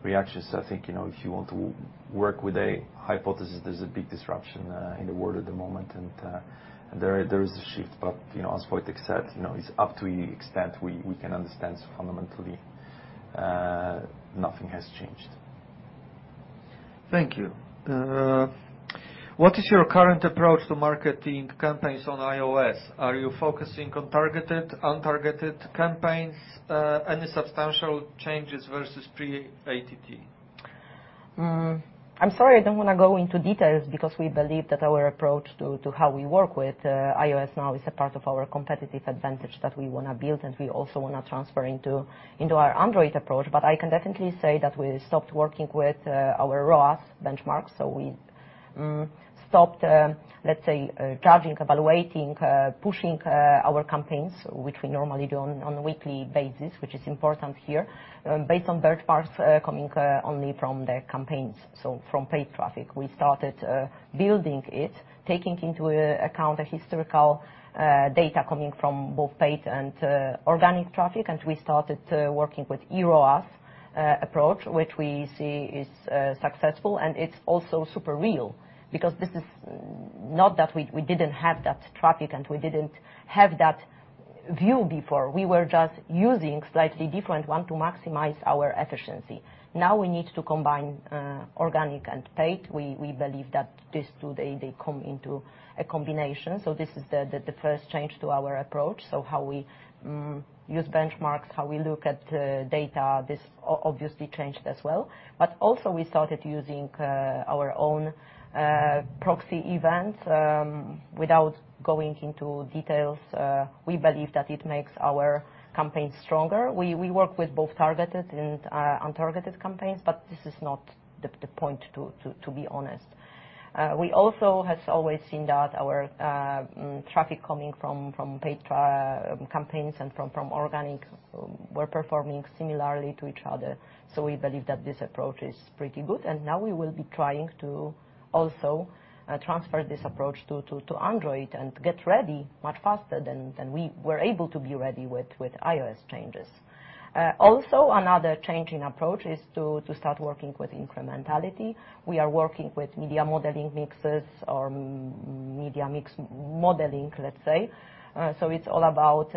reactions. I think, you know, if you want to work with a hypothesis, there's a big disruption in the world at the moment, and there is a shift. You know, as Wojciech said, you know, it's up to the extent we can understand. Fundamentally, nothing has changed. Thank you. What is your current approach to marketing campaigns on iOS? Are you focusing on targeted, untargeted campaigns? Any substantial changes versus pre-ATT? I'm sorry, I don't want to go into details because we believe that our approach to how we work with iOS now is a part of our competitive advantage that we wanna build and we also wanna transfer into our Android approach. I can definitely say that we stopped working with our ROAS benchmarks. We stopped, let's say, judging, evaluating, pushing our campaigns, which we normally do on a weekly basis, which is important here, based on bird parts coming only from the campaigns, so from paid traffic. We started building it, taking into account the historical data coming from both paid and organic traffic. We started working with eROAS approach, which we see is successful, and it's also super real because this is not that we didn't have that traffic and we didn't have that view before. We were just using slightly different one to maximize our efficiency. Now we need to combine organic and paid. We believe that these two, they come into a combination. This is the first change to our approach. How we use benchmarks, how we look at data, this obviously changed as well. But also we started using our own proxy events, without going into details, we believe that it makes our campaigns stronger. We work with both targeted and untargeted campaigns, but this is not the point, to be honest. We also have always seen that our traffic coming from paid campaigns and from organic were performing similarly to each other. We believe that this approach is pretty good. Now we will be trying to also transfer this approach to Android and get ready much faster than we were able to be ready with iOS changes. Also another change in approach is to start working with incrementality. We are working with media mix modeling, let's say. It's all about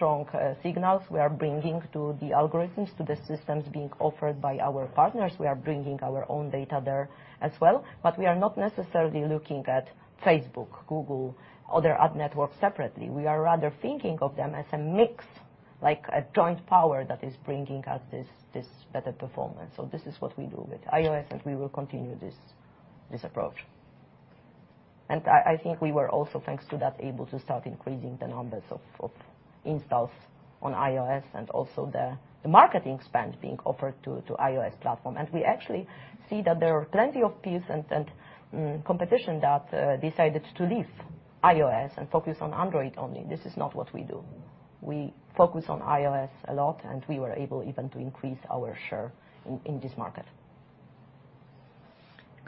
strong signals we are bringing to the algorithms, to the systems being offered by our partners. We are bringing our own data there as well. We are not necessarily looking at Facebook, Google, other ad networks separately. We are rather thinking of them as a mix, like a joint power that is bringing us this better performance. This is what we do with iOS, and we will continue this approach. I think we were also, thanks to that, able to start increasing the numbers of installs on iOS and also the marketing spend being offered to iOS platform. We actually see that there are plenty of peers and competition that decided to leave iOS and focus on Android only. This is not what we do. We focus on iOS a lot, and we were able even to increase our share in this market.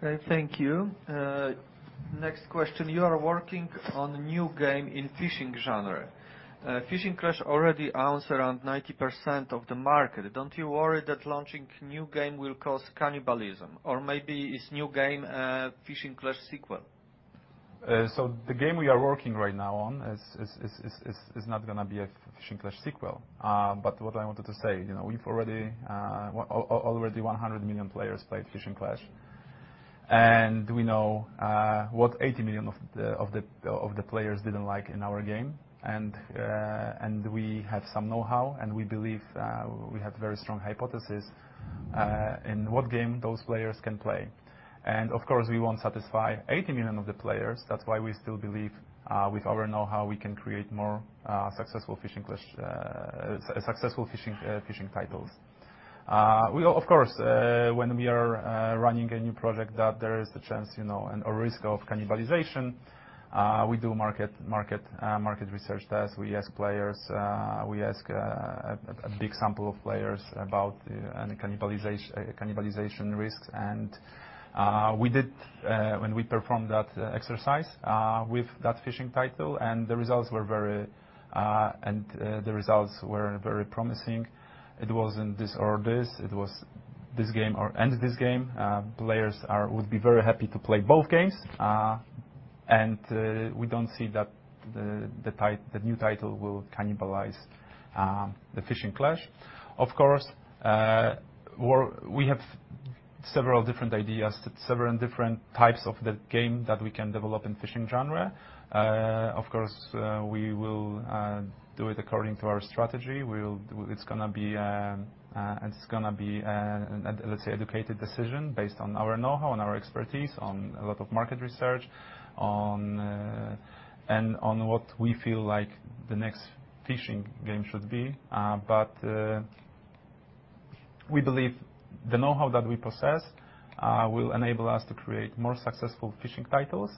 Okay, thank you. Next question. You are working on new game in fishing genre. Fishing Clash already owns around 90% of the market. Don't you worry that launching new game will cause cannibalism? Maybe it's new game, Fishing Clash sequel. The game we are working right now on is not gonna be a Fishing Clash sequel. What I wanted to say, you know, we've already 100 million players played Fishing Clash. We know what 80 million of the players didn't like in our game, and we have some know-how, and we believe we have very strong hypothesis in what game those players can play. Of course, we won't satisfy 80 million of the players. That's why we still believe with our know-how, we can create more successful Fishing Clash. Successful fishing titles. We of course, when we are running a new project that there is the chance, you know, and a risk of cannibalization, we do market research test. We ask players, we ask a big sample of players about cannibalization risks. We did when we performed that exercise with that fishing title, and the results were very promising. It wasn't this or this, it was this game and this game. Players would be very happy to play both games. We don't see that the new title will cannibalize the Fishing Clash. Of course, we have several different ideas, several different types of the game that we can develop in fishing genre. Of course, we will do it according to our strategy. It's gonna be, let's say, educated decision based on our know-how and our expertise on a lot of market research, on, and on what we feel like the next fishing game should be. We believe the know-how that we possess will enable us to create more successful fishing titles,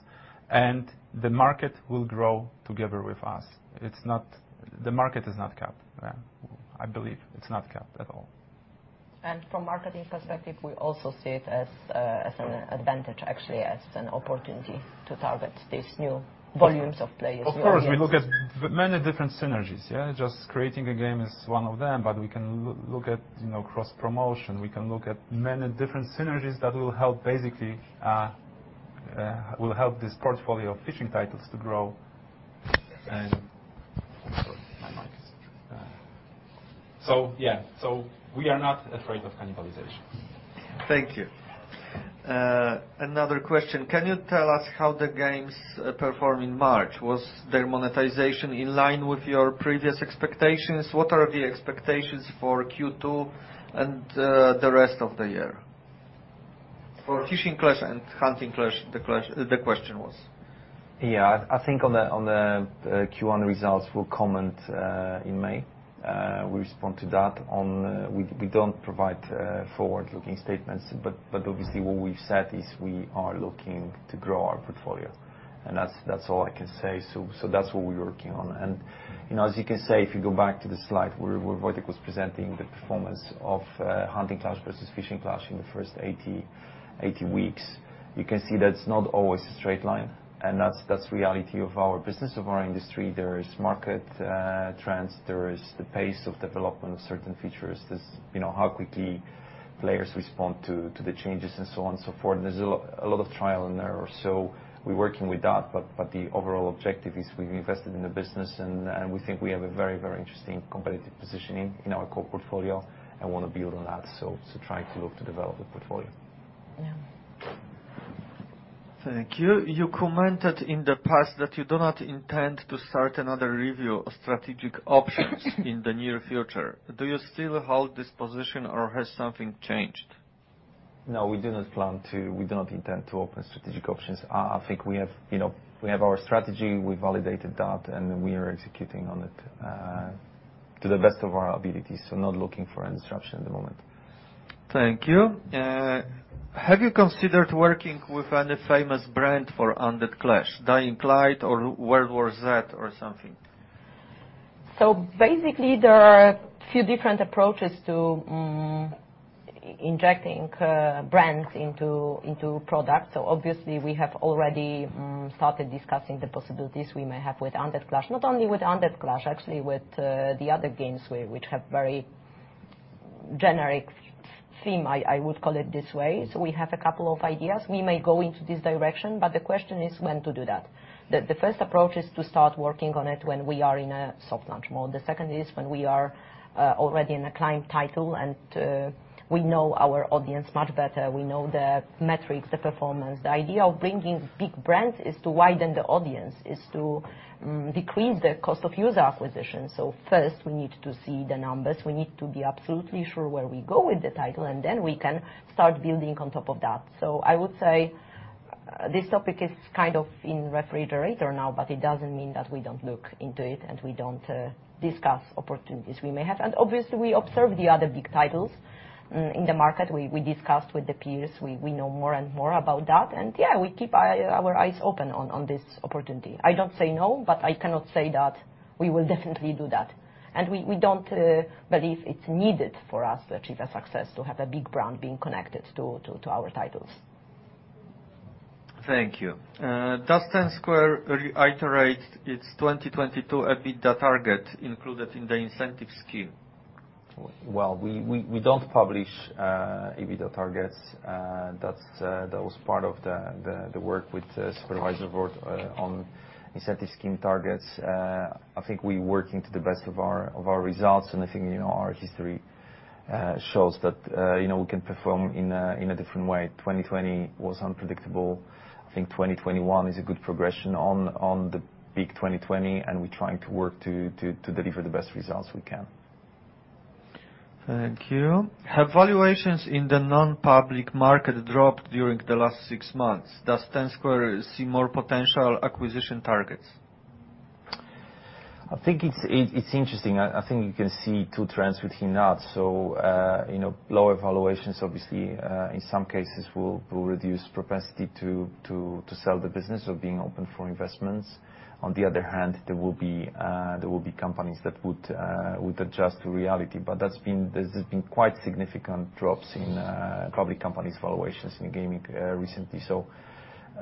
and the market will grow together with us. The market is not capped. Yeah. I believe it's not capped at all. From marketing perspective, we also see it as an advantage, actually, as an opportunity to target these new volumes of players. Of course, we look at many different synergies, yeah. Just creating a game is one of them, but we can look at, you know, cross promotion. We can look at many different synergies that will help basically will help this portfolio of fishing titles to grow. Sorry, my mic. Yeah. We are not afraid of cannibalization. Thank you. Another question. Can you tell us how the games performed in March? Was their monetization in line with your previous expectations? What are the expectations for Q2 and the rest of the year? For Fishing Clash and Hunting Clash, the question was. Yeah. I think on the Q1 results, we'll comment in May. We don't provide forward-looking statements, but obviously what we've said is we are looking to grow our portfolio. That's all I can say. That's what we're working on. You know, as you can see, if you go back to the slide where Wojciech was presenting the performance of Hunting Clash versus Fishing Clash in the first 80 weeks, you can see that's not always a straight line. That's reality of our business, of our industry. There is market trends. There is the pace of development of certain features. There's you know, how quickly players respond to the changes and so on and so forth. There's a lot of trial and error. We're working with that. The overall objective is we've invested in the business and we think we have a very, very interesting competitive positioning in our core portfolio and wanna build on that trying to look to develop the portfolio. Yeah. Thank you. You commented in the past that you do not intend to start another review of strategic options in the near future. Do you still hold this position or has something changed? No, we do not plan to. We do not intend to open strategic options. I think we have, you know, we have our strategy. We validated that, and we are executing on it, to the best of our abilities, so not looking for any disruption at the moment. Thank you. Have you considered working with any famous brand for Undead Clash, Dying Light or World War Z or something? Basically, there are a few different approaches to injecting brands into products. Obviously, we have already started discussing the possibilities we may have with Undead Clash. Not only with Undead Clash, actually with the other games which have very generic theme, I would call it this way. We have a couple of ideas. We may go into this direction, but the question is when to do that. The first approach is to start working on it when we are in a soft launch mode. The second is when we are already in a live title and we know our audience much better. We know the metrics, the performance. The idea of bringing big brands is to widen the audience, is to decrease the cost of user acquisition. First, we need to see the numbers. We need to be absolutely sure where we go with the title, and then we can start building on top of that. I would say this topic is kind of in refrigerator now, but it doesn't mean that we don't look into it and we don't discuss opportunities we may have. Obviously, we observe the other big titles in the market. We discussed with the peers. We know more and more about that. Yeah, we keep our eyes open on this opportunity. I don't say no, but I cannot say that we will definitely do that. We don't believe it's needed for us to achieve a success to have a big brand being connected to our titles. Thank you. Does Ten Square reiterate its 2022 EBITDA target included in the incentive scheme? Well, we don't publish EBITDA targets. That was part of the work with the supervisory board on incentive scheme targets. I think we working to the best of our results, and I think, you know, our history shows that, you know, we can perform in a different way. 2020 was unpredictable. I think 2021 is a good progression on the big 2020, and we're trying to work to deliver the best results we can. Thank you. Have valuations in the non-public market dropped during the last six months? Does Ten Square Games see more potential acquisition targets? I think it's interesting. I think you can see two trends within that. You know, lower valuations obviously in some cases will reduce propensity to sell the business or being open for investments. On the other hand, there will be companies that would adjust to reality. This has been quite significant drops in public companies valuations in gaming recently.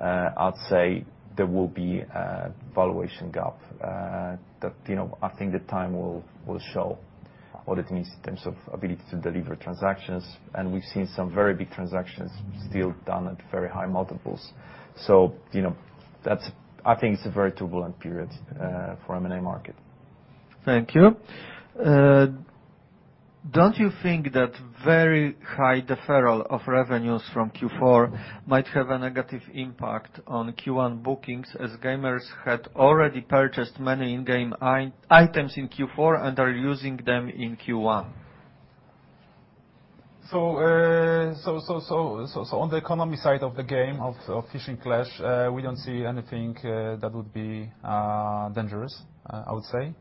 I'd say there will be a valuation gap that, you know, I think the time will show what it means in terms of ability to deliver transactions. We've seen some very big transactions still done at very high multiples. You know, I think it's a very turbulent period for M&A market. Thank you. Don't you think that very high deferral of revenues from Q4 might have a negative impact on Q1 bookings, as gamers had already purchased many in-game items in Q4 and are using them in Q1? On the economy side of the game of Fishing Clash, we don't see anything that would be dangerous, I would say.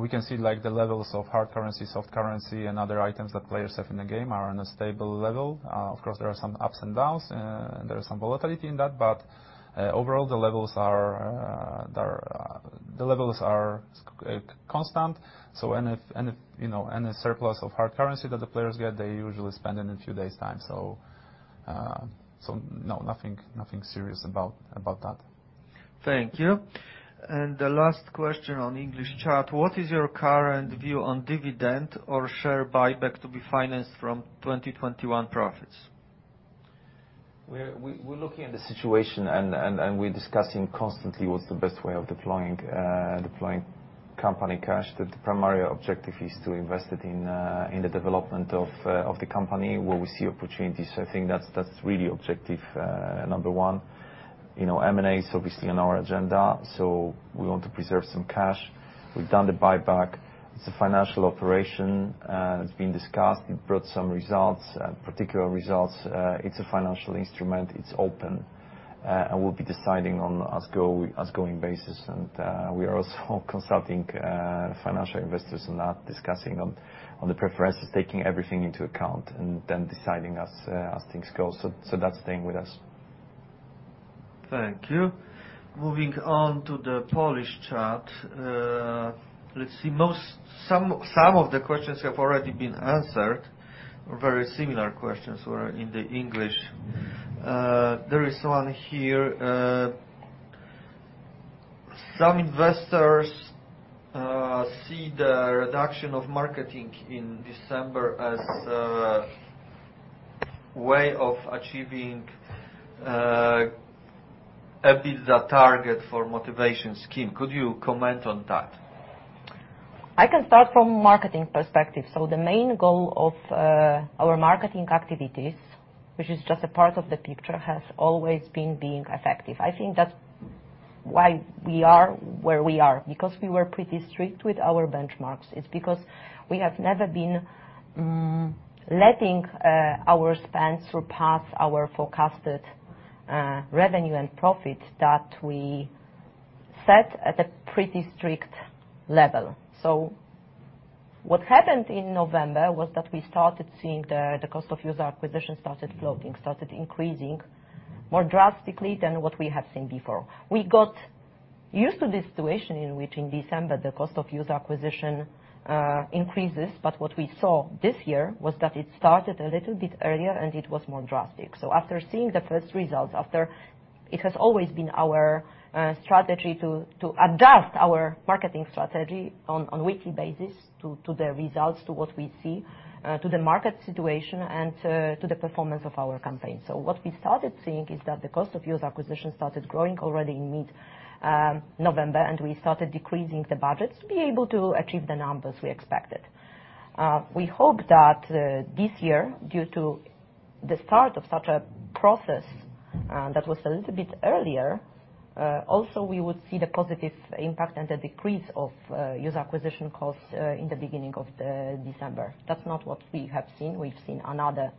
We can see like the levels of hard currency, soft currency and other items that players have in the game are on a stable level. Of course, there are some ups and downs, and there is some volatility in that. Overall, the levels are constant. Any, you know, surplus of hard currency that the players get, they usually spend it in a few days' time. No, nothing serious about that. Thank you. The last question on English chat: What is your current view on dividend or share buyback to be financed from 2021 profits? We're looking at the situation and we're discussing constantly what's the best way of deploying company cash. The primary objective is to invest it in the development of the company where we see opportunities. I think that's really objective number one. You know, M&A is obviously on our agenda, so we want to preserve some cash. We've done the buyback. It's a financial operation. It's been discussed. It brought some results, particular results. It's a financial instrument. It's open. We'll be deciding on as going basis. We are also consulting financial investors on that, discussing on the preferences, taking everything into account and then deciding as things go. That's staying with us. Thank you. Moving on to the Polish chat. Let's see. Some of the questions have already been answered, or very similar questions were in the English. There is one here. Some investors see the reduction of marketing in December as way of achieving EBITDA target for motivation scheme. Could you comment on that? I can start from marketing perspective. The main goal of our marketing activities, which is just a part of the picture, has always been being effective. I think that's why we are where we are, because we were pretty strict with our benchmarks. We have never been letting our spend surpass our forecasted revenue and profit that we set at a pretty strict level. What happened in November was that we started seeing the cost of user acquisition started increasing more drastically than what we had seen before. We got used to the situation in which in December the cost of user acquisition increases. What we saw this year was that it started a little bit earlier, and it was more drastic. After seeing the first results, it has always been our strategy to adapt our marketing strategy on weekly basis to the results, to what we see, to the market situation and to the performance of our campaign. What we started seeing is that the cost of user acquisition started growing already in mid-November, and we started decreasing the budgets to be able to achieve the numbers we expected. We hope that this year, due to the start of such a process that was a little bit earlier, also we would see the positive impact and the decrease of user acquisition costs in the beginning of December. That's not what we have seen. We've seen another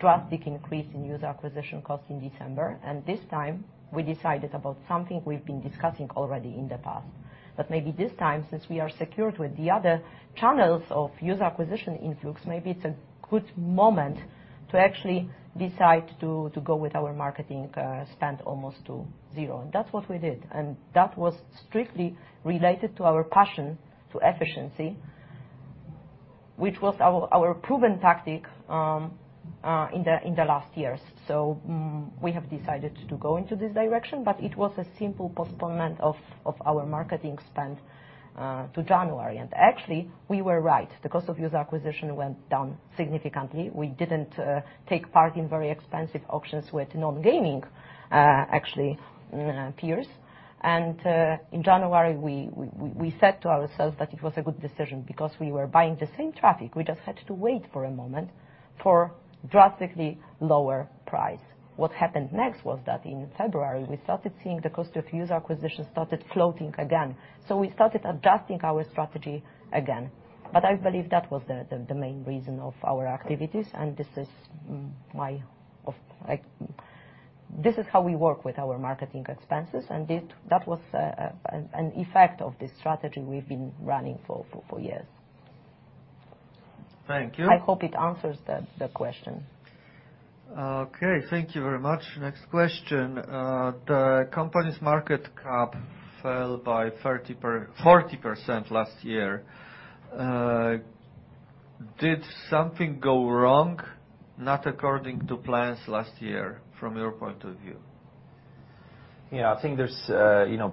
drastic increase in user acquisition costs in December. This time we decided about something we've been discussing already in the past. Maybe this time, since we are secured with the other channels of user acquisition influx, maybe it's a good moment to actually decide to go with our marketing spend almost to zero. That's what we did. That was strictly related to our passion to efficiency, which was our proven tactic in the last years. We have decided to go into this direction, but it was a simple postponement of our marketing spend to January. Actually, we were right. The cost of user acquisition went down significantly. We didn't take part in very expensive auctions with non-gaming actually peers. In January, we said to ourselves that it was a good decision because we were buying the same traffic. We just had to wait for a moment for drastically lower price. What happened next was that in February, we started seeing the cost of user acquisition started floating again. We started adjusting our strategy again. I believe that was the main reason of our activities, and this is how we work with our marketing expenses. That was an effect of this strategy we've been running for years. Thank you. I hope it answers the question. Okay, thank you very much. Next question. The company's market cap fell by 40% last year. Did something go wrong, not according to plans last year from your point of view? Yeah, I think there's, you know,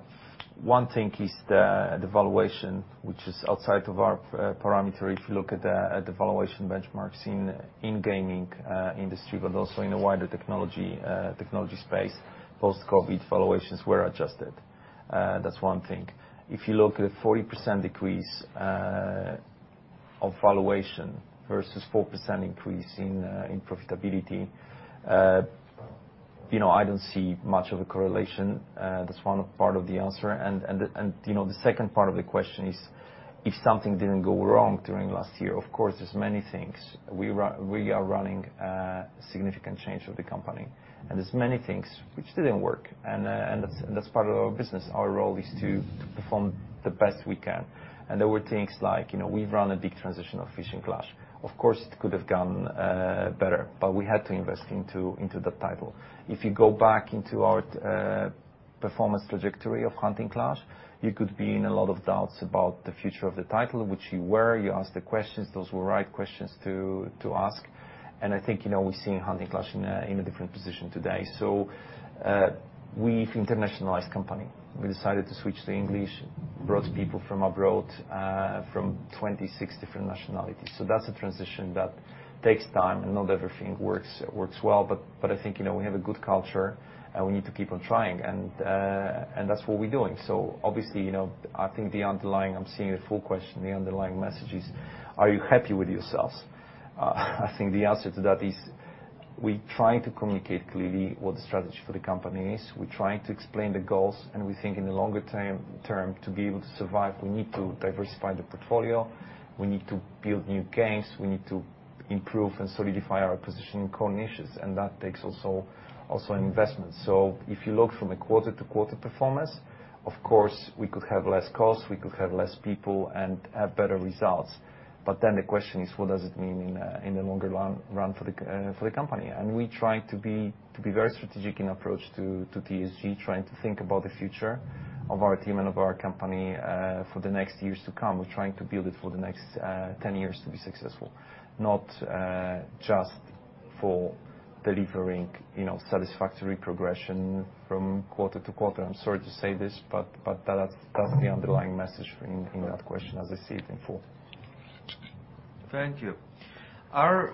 one thing is the valuation, which is outside of our parameter. If you look at the valuation benchmarks in gaming industry, but also in the wider technology space, post-COVID valuations were adjusted. That's one thing. If you look at 40% decrease of valuation versus 4% increase in profitability, you know, I don't see much of a correlation. That's one part of the answer. You know, the second part of the question is if something didn't go wrong during last year. Of course, there's many things. We are running significant change of the company, and there's many things which didn't work, and that's part of our business. Our role is to perform the best we can. There were things like, you know, we've run a big transition of Fishing Clash. Of course, it could have gone better, but we had to invest into the title. If you go back into our performance trajectory of Hunting Clash, you could be in a lot of doubts about the future of the title, which you were. You asked the questions. Those were right questions to ask. I think, you know, we're seeing Hunting Clash in a different position today. We've internationalized the company. We decided to switch to English, brought people from abroad from 26 different nationalities. That's a transition that takes time, and not everything works well, but I think, you know, we have a good culture, and we need to keep on trying. That's what we're doing. Obviously, you know, I think the underlying message is, are you happy with yourselves? I think the answer to that is we're trying to communicate clearly what the strategy for the company is. We're trying to explain the goals, and we think in the longer-term, to be able to survive, we need to diversify the portfolio. We need to build new games. We need to improve and solidify our position in core niches, and that takes also investment. If you look from a quarter-to-quarter performance, of course, we could have less costs, we could have less people and have better results. Then the question is, what does it mean in the longer run for the company? We try to be very strategic in approach to TSG, trying to think about the future of our team and of our company for the next years to come. We're trying to build it for the next 10 years to be successful, not just for delivering, you know, satisfactory progression from quarter to quarter. I'm sorry to say this, but that's the underlying message in that question as I see it in full. Thank you. Are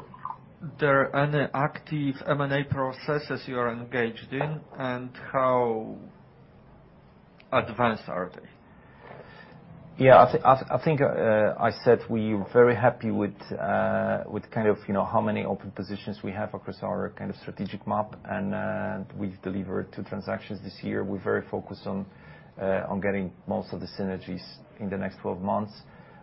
there any active M&A processes you are engaged in, and how advanced are they? I think I said we're very happy with kind of you know how many open positions we have across our kind of strategic map. We've delivered two transactions this year. We're very focused on getting most of the synergies in the next 12 months.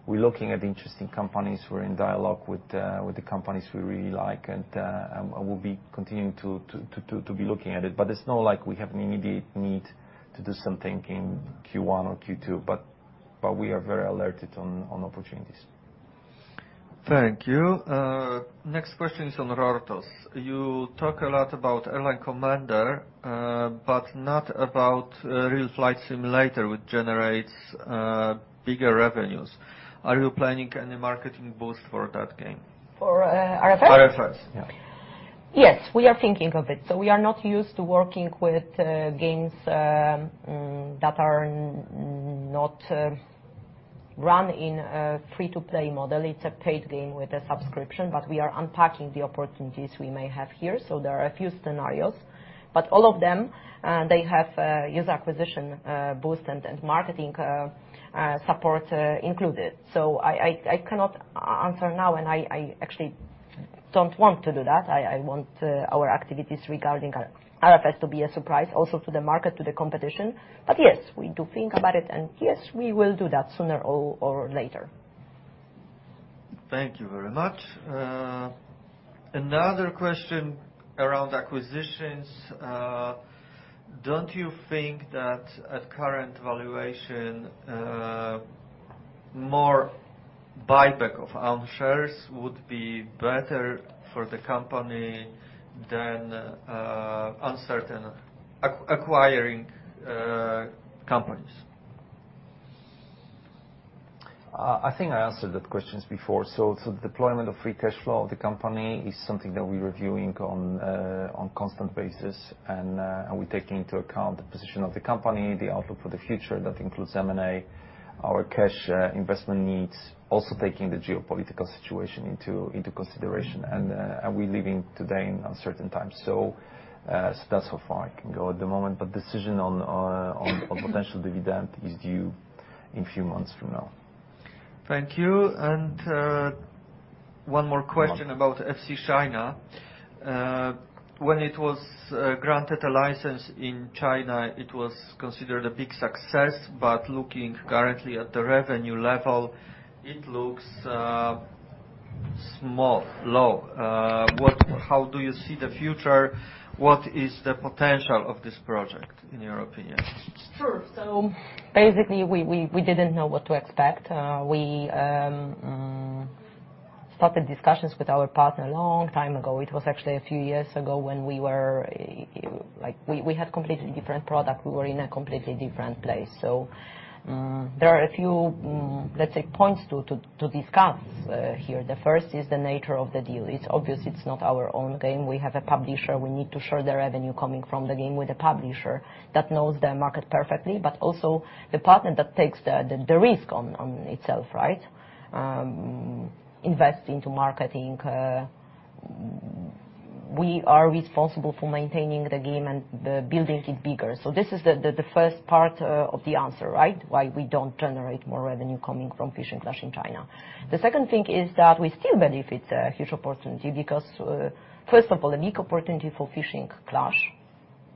We're looking at interesting companies. We're in dialogue with the companies we really like. We'll be continuing to be looking at it. It's not like we have an immediate need to do something in Q1 or Q2. We are very alert to opportunities. Thank you. Next question is on Rortos. You talk a lot about Airline Commander, but not about Real Flight Simulator, which generates bigger revenues. Are you planning any marketing boost for that game? For RFS? RFS. Yes, we are thinking of it. We are not used to working with games that are not run in a free-to-play model. It's a paid game with a subscription, but we are unpacking the opportunities we may have here. There are a few scenarios. All of them have user acquisition boost and marketing support included. I cannot answer now, and I actually don't want to do that. I want our activities regarding RFS to be a surprise also to the market, to the competition. Yes, we do think about it, and yes, we will do that sooner or later. Thank you very much. Another question around acquisitions. Don't you think that at current valuation, more buyback of our shares would be better for the company than uncertain acquiring companies? I think I answered that question before. Deployment of free cash flow of the company is something that we're reviewing on a constant basis. We take into account the position of the company, the outlook for the future, that includes M&A, our cash investment needs, also taking the geopolitical situation into consideration. We're living today in uncertain times. That's how far I can go at the moment, but decision on potential dividend is due in a few months from now. Thank you. One more question- One more. about FC China. When it was granted a license in China, it was considered a big success. Looking currently at the revenue level, it looks small, low. How do you see the future? What is the potential of this project, in your opinion? Sure. Basically, we didn't know what to expect. We started discussions with our partner long time ago. It was actually a few years ago when we were like we had completely different product. We were in a completely different place. There are a few let's say points to discuss here. The first is the nature of the deal. It's obvious it's not our own game. We have a publisher. We need to share the revenue coming from the game with the publisher that knows the market perfectly, but also the partner that takes the risk on itself, right? Invest into marketing. We are responsible for maintaining the game and the building it bigger. This is the first part of the answer, right? Why we don't generate more revenue coming from Fishing Clash in China. The second thing is that we still have a huge opportunity because first of all, a unique opportunity for Fishing Clash,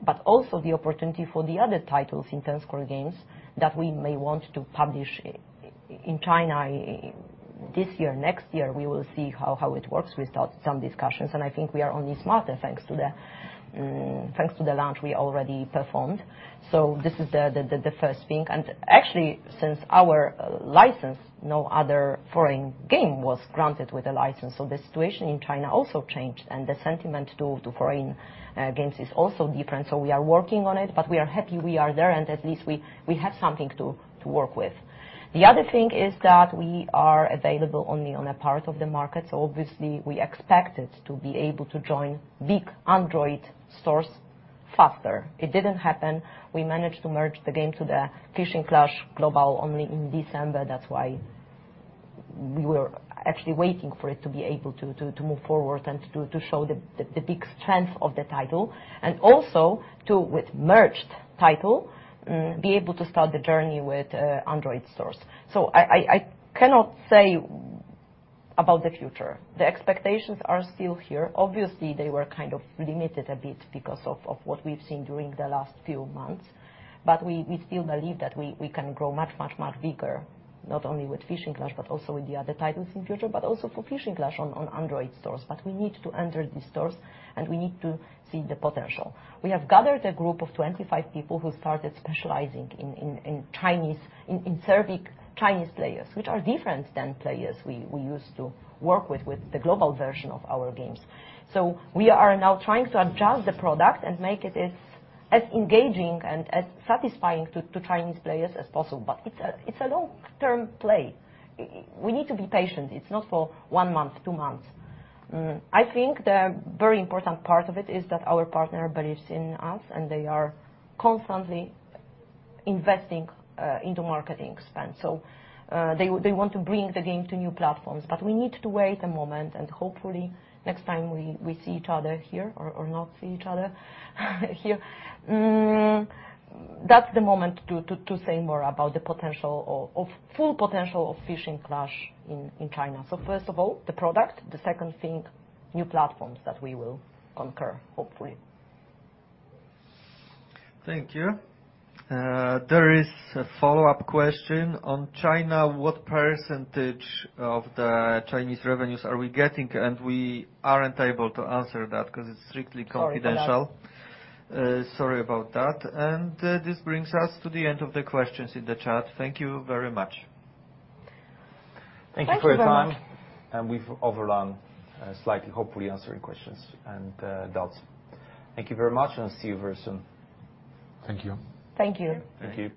but also the opportunity for the other titles in Ten Square Games that we may want to publish in China this year, next year. We will see how it works. We start some discussions, and I think we are only smarter, thanks to the launch we already performed. This is the first thing. Actually, since our license, no other foreign game was granted with a license. The situation in China also changed, and the sentiment to foreign games is also different. We are working on it, but we are happy we are there and at least we have something to work with. The other thing is that we are available only on a part of the market. Obviously we expected to be able to join big Android stores faster. It didn't happen. We managed to merge the game to the Fishing Clash Global only in December. That's why we were actually waiting for it to be able to move forward and to show the big strength of the title and also to, with merged title, be able to start the journey with Android stores. I cannot say about the future. The expectations are still here. Obviously, they were kind of limited a bit because of what we've seen during the last few months. We still believe that we can grow much bigger, not only with Fishing Clash, but also with the other titles in future, but also for Fishing Clash on Android stores. We need to enter the stores, and we need to see the potential. We have gathered a group of 25 people who started specializing in serving Chinese players, which are different than players we used to work with the global version of our games. We are now trying to adjust the product and make it as engaging and as satisfying to Chinese players as possible. It's a long-term play. We need to be patient. It's not for one month, two months. I think the very important part of it is that our partner believes in us, and they are constantly investing into marketing spend. They want to bring the game to new platforms. We need to wait a moment, and hopefully next time we see each other here or not see each other here, that's the moment to say more about the full potential of Fishing Clash in China. First of all, the product. The second thing, new platforms that we will conquer, hopefully. Thank you. There is a follow-up question on China. What percentage of the Chinese revenues are we getting? We aren't able to answer that 'cause it's strictly confidential. Sorry for that. Sorry about that. This brings us to the end of the questions in the chat. Thank you very much. Thank you for your time. Thank you very much. We've overrun slightly, hopefully answering questions and doubts. Thank you very much, and see you very soon. Thank you. Thank you. Thank you.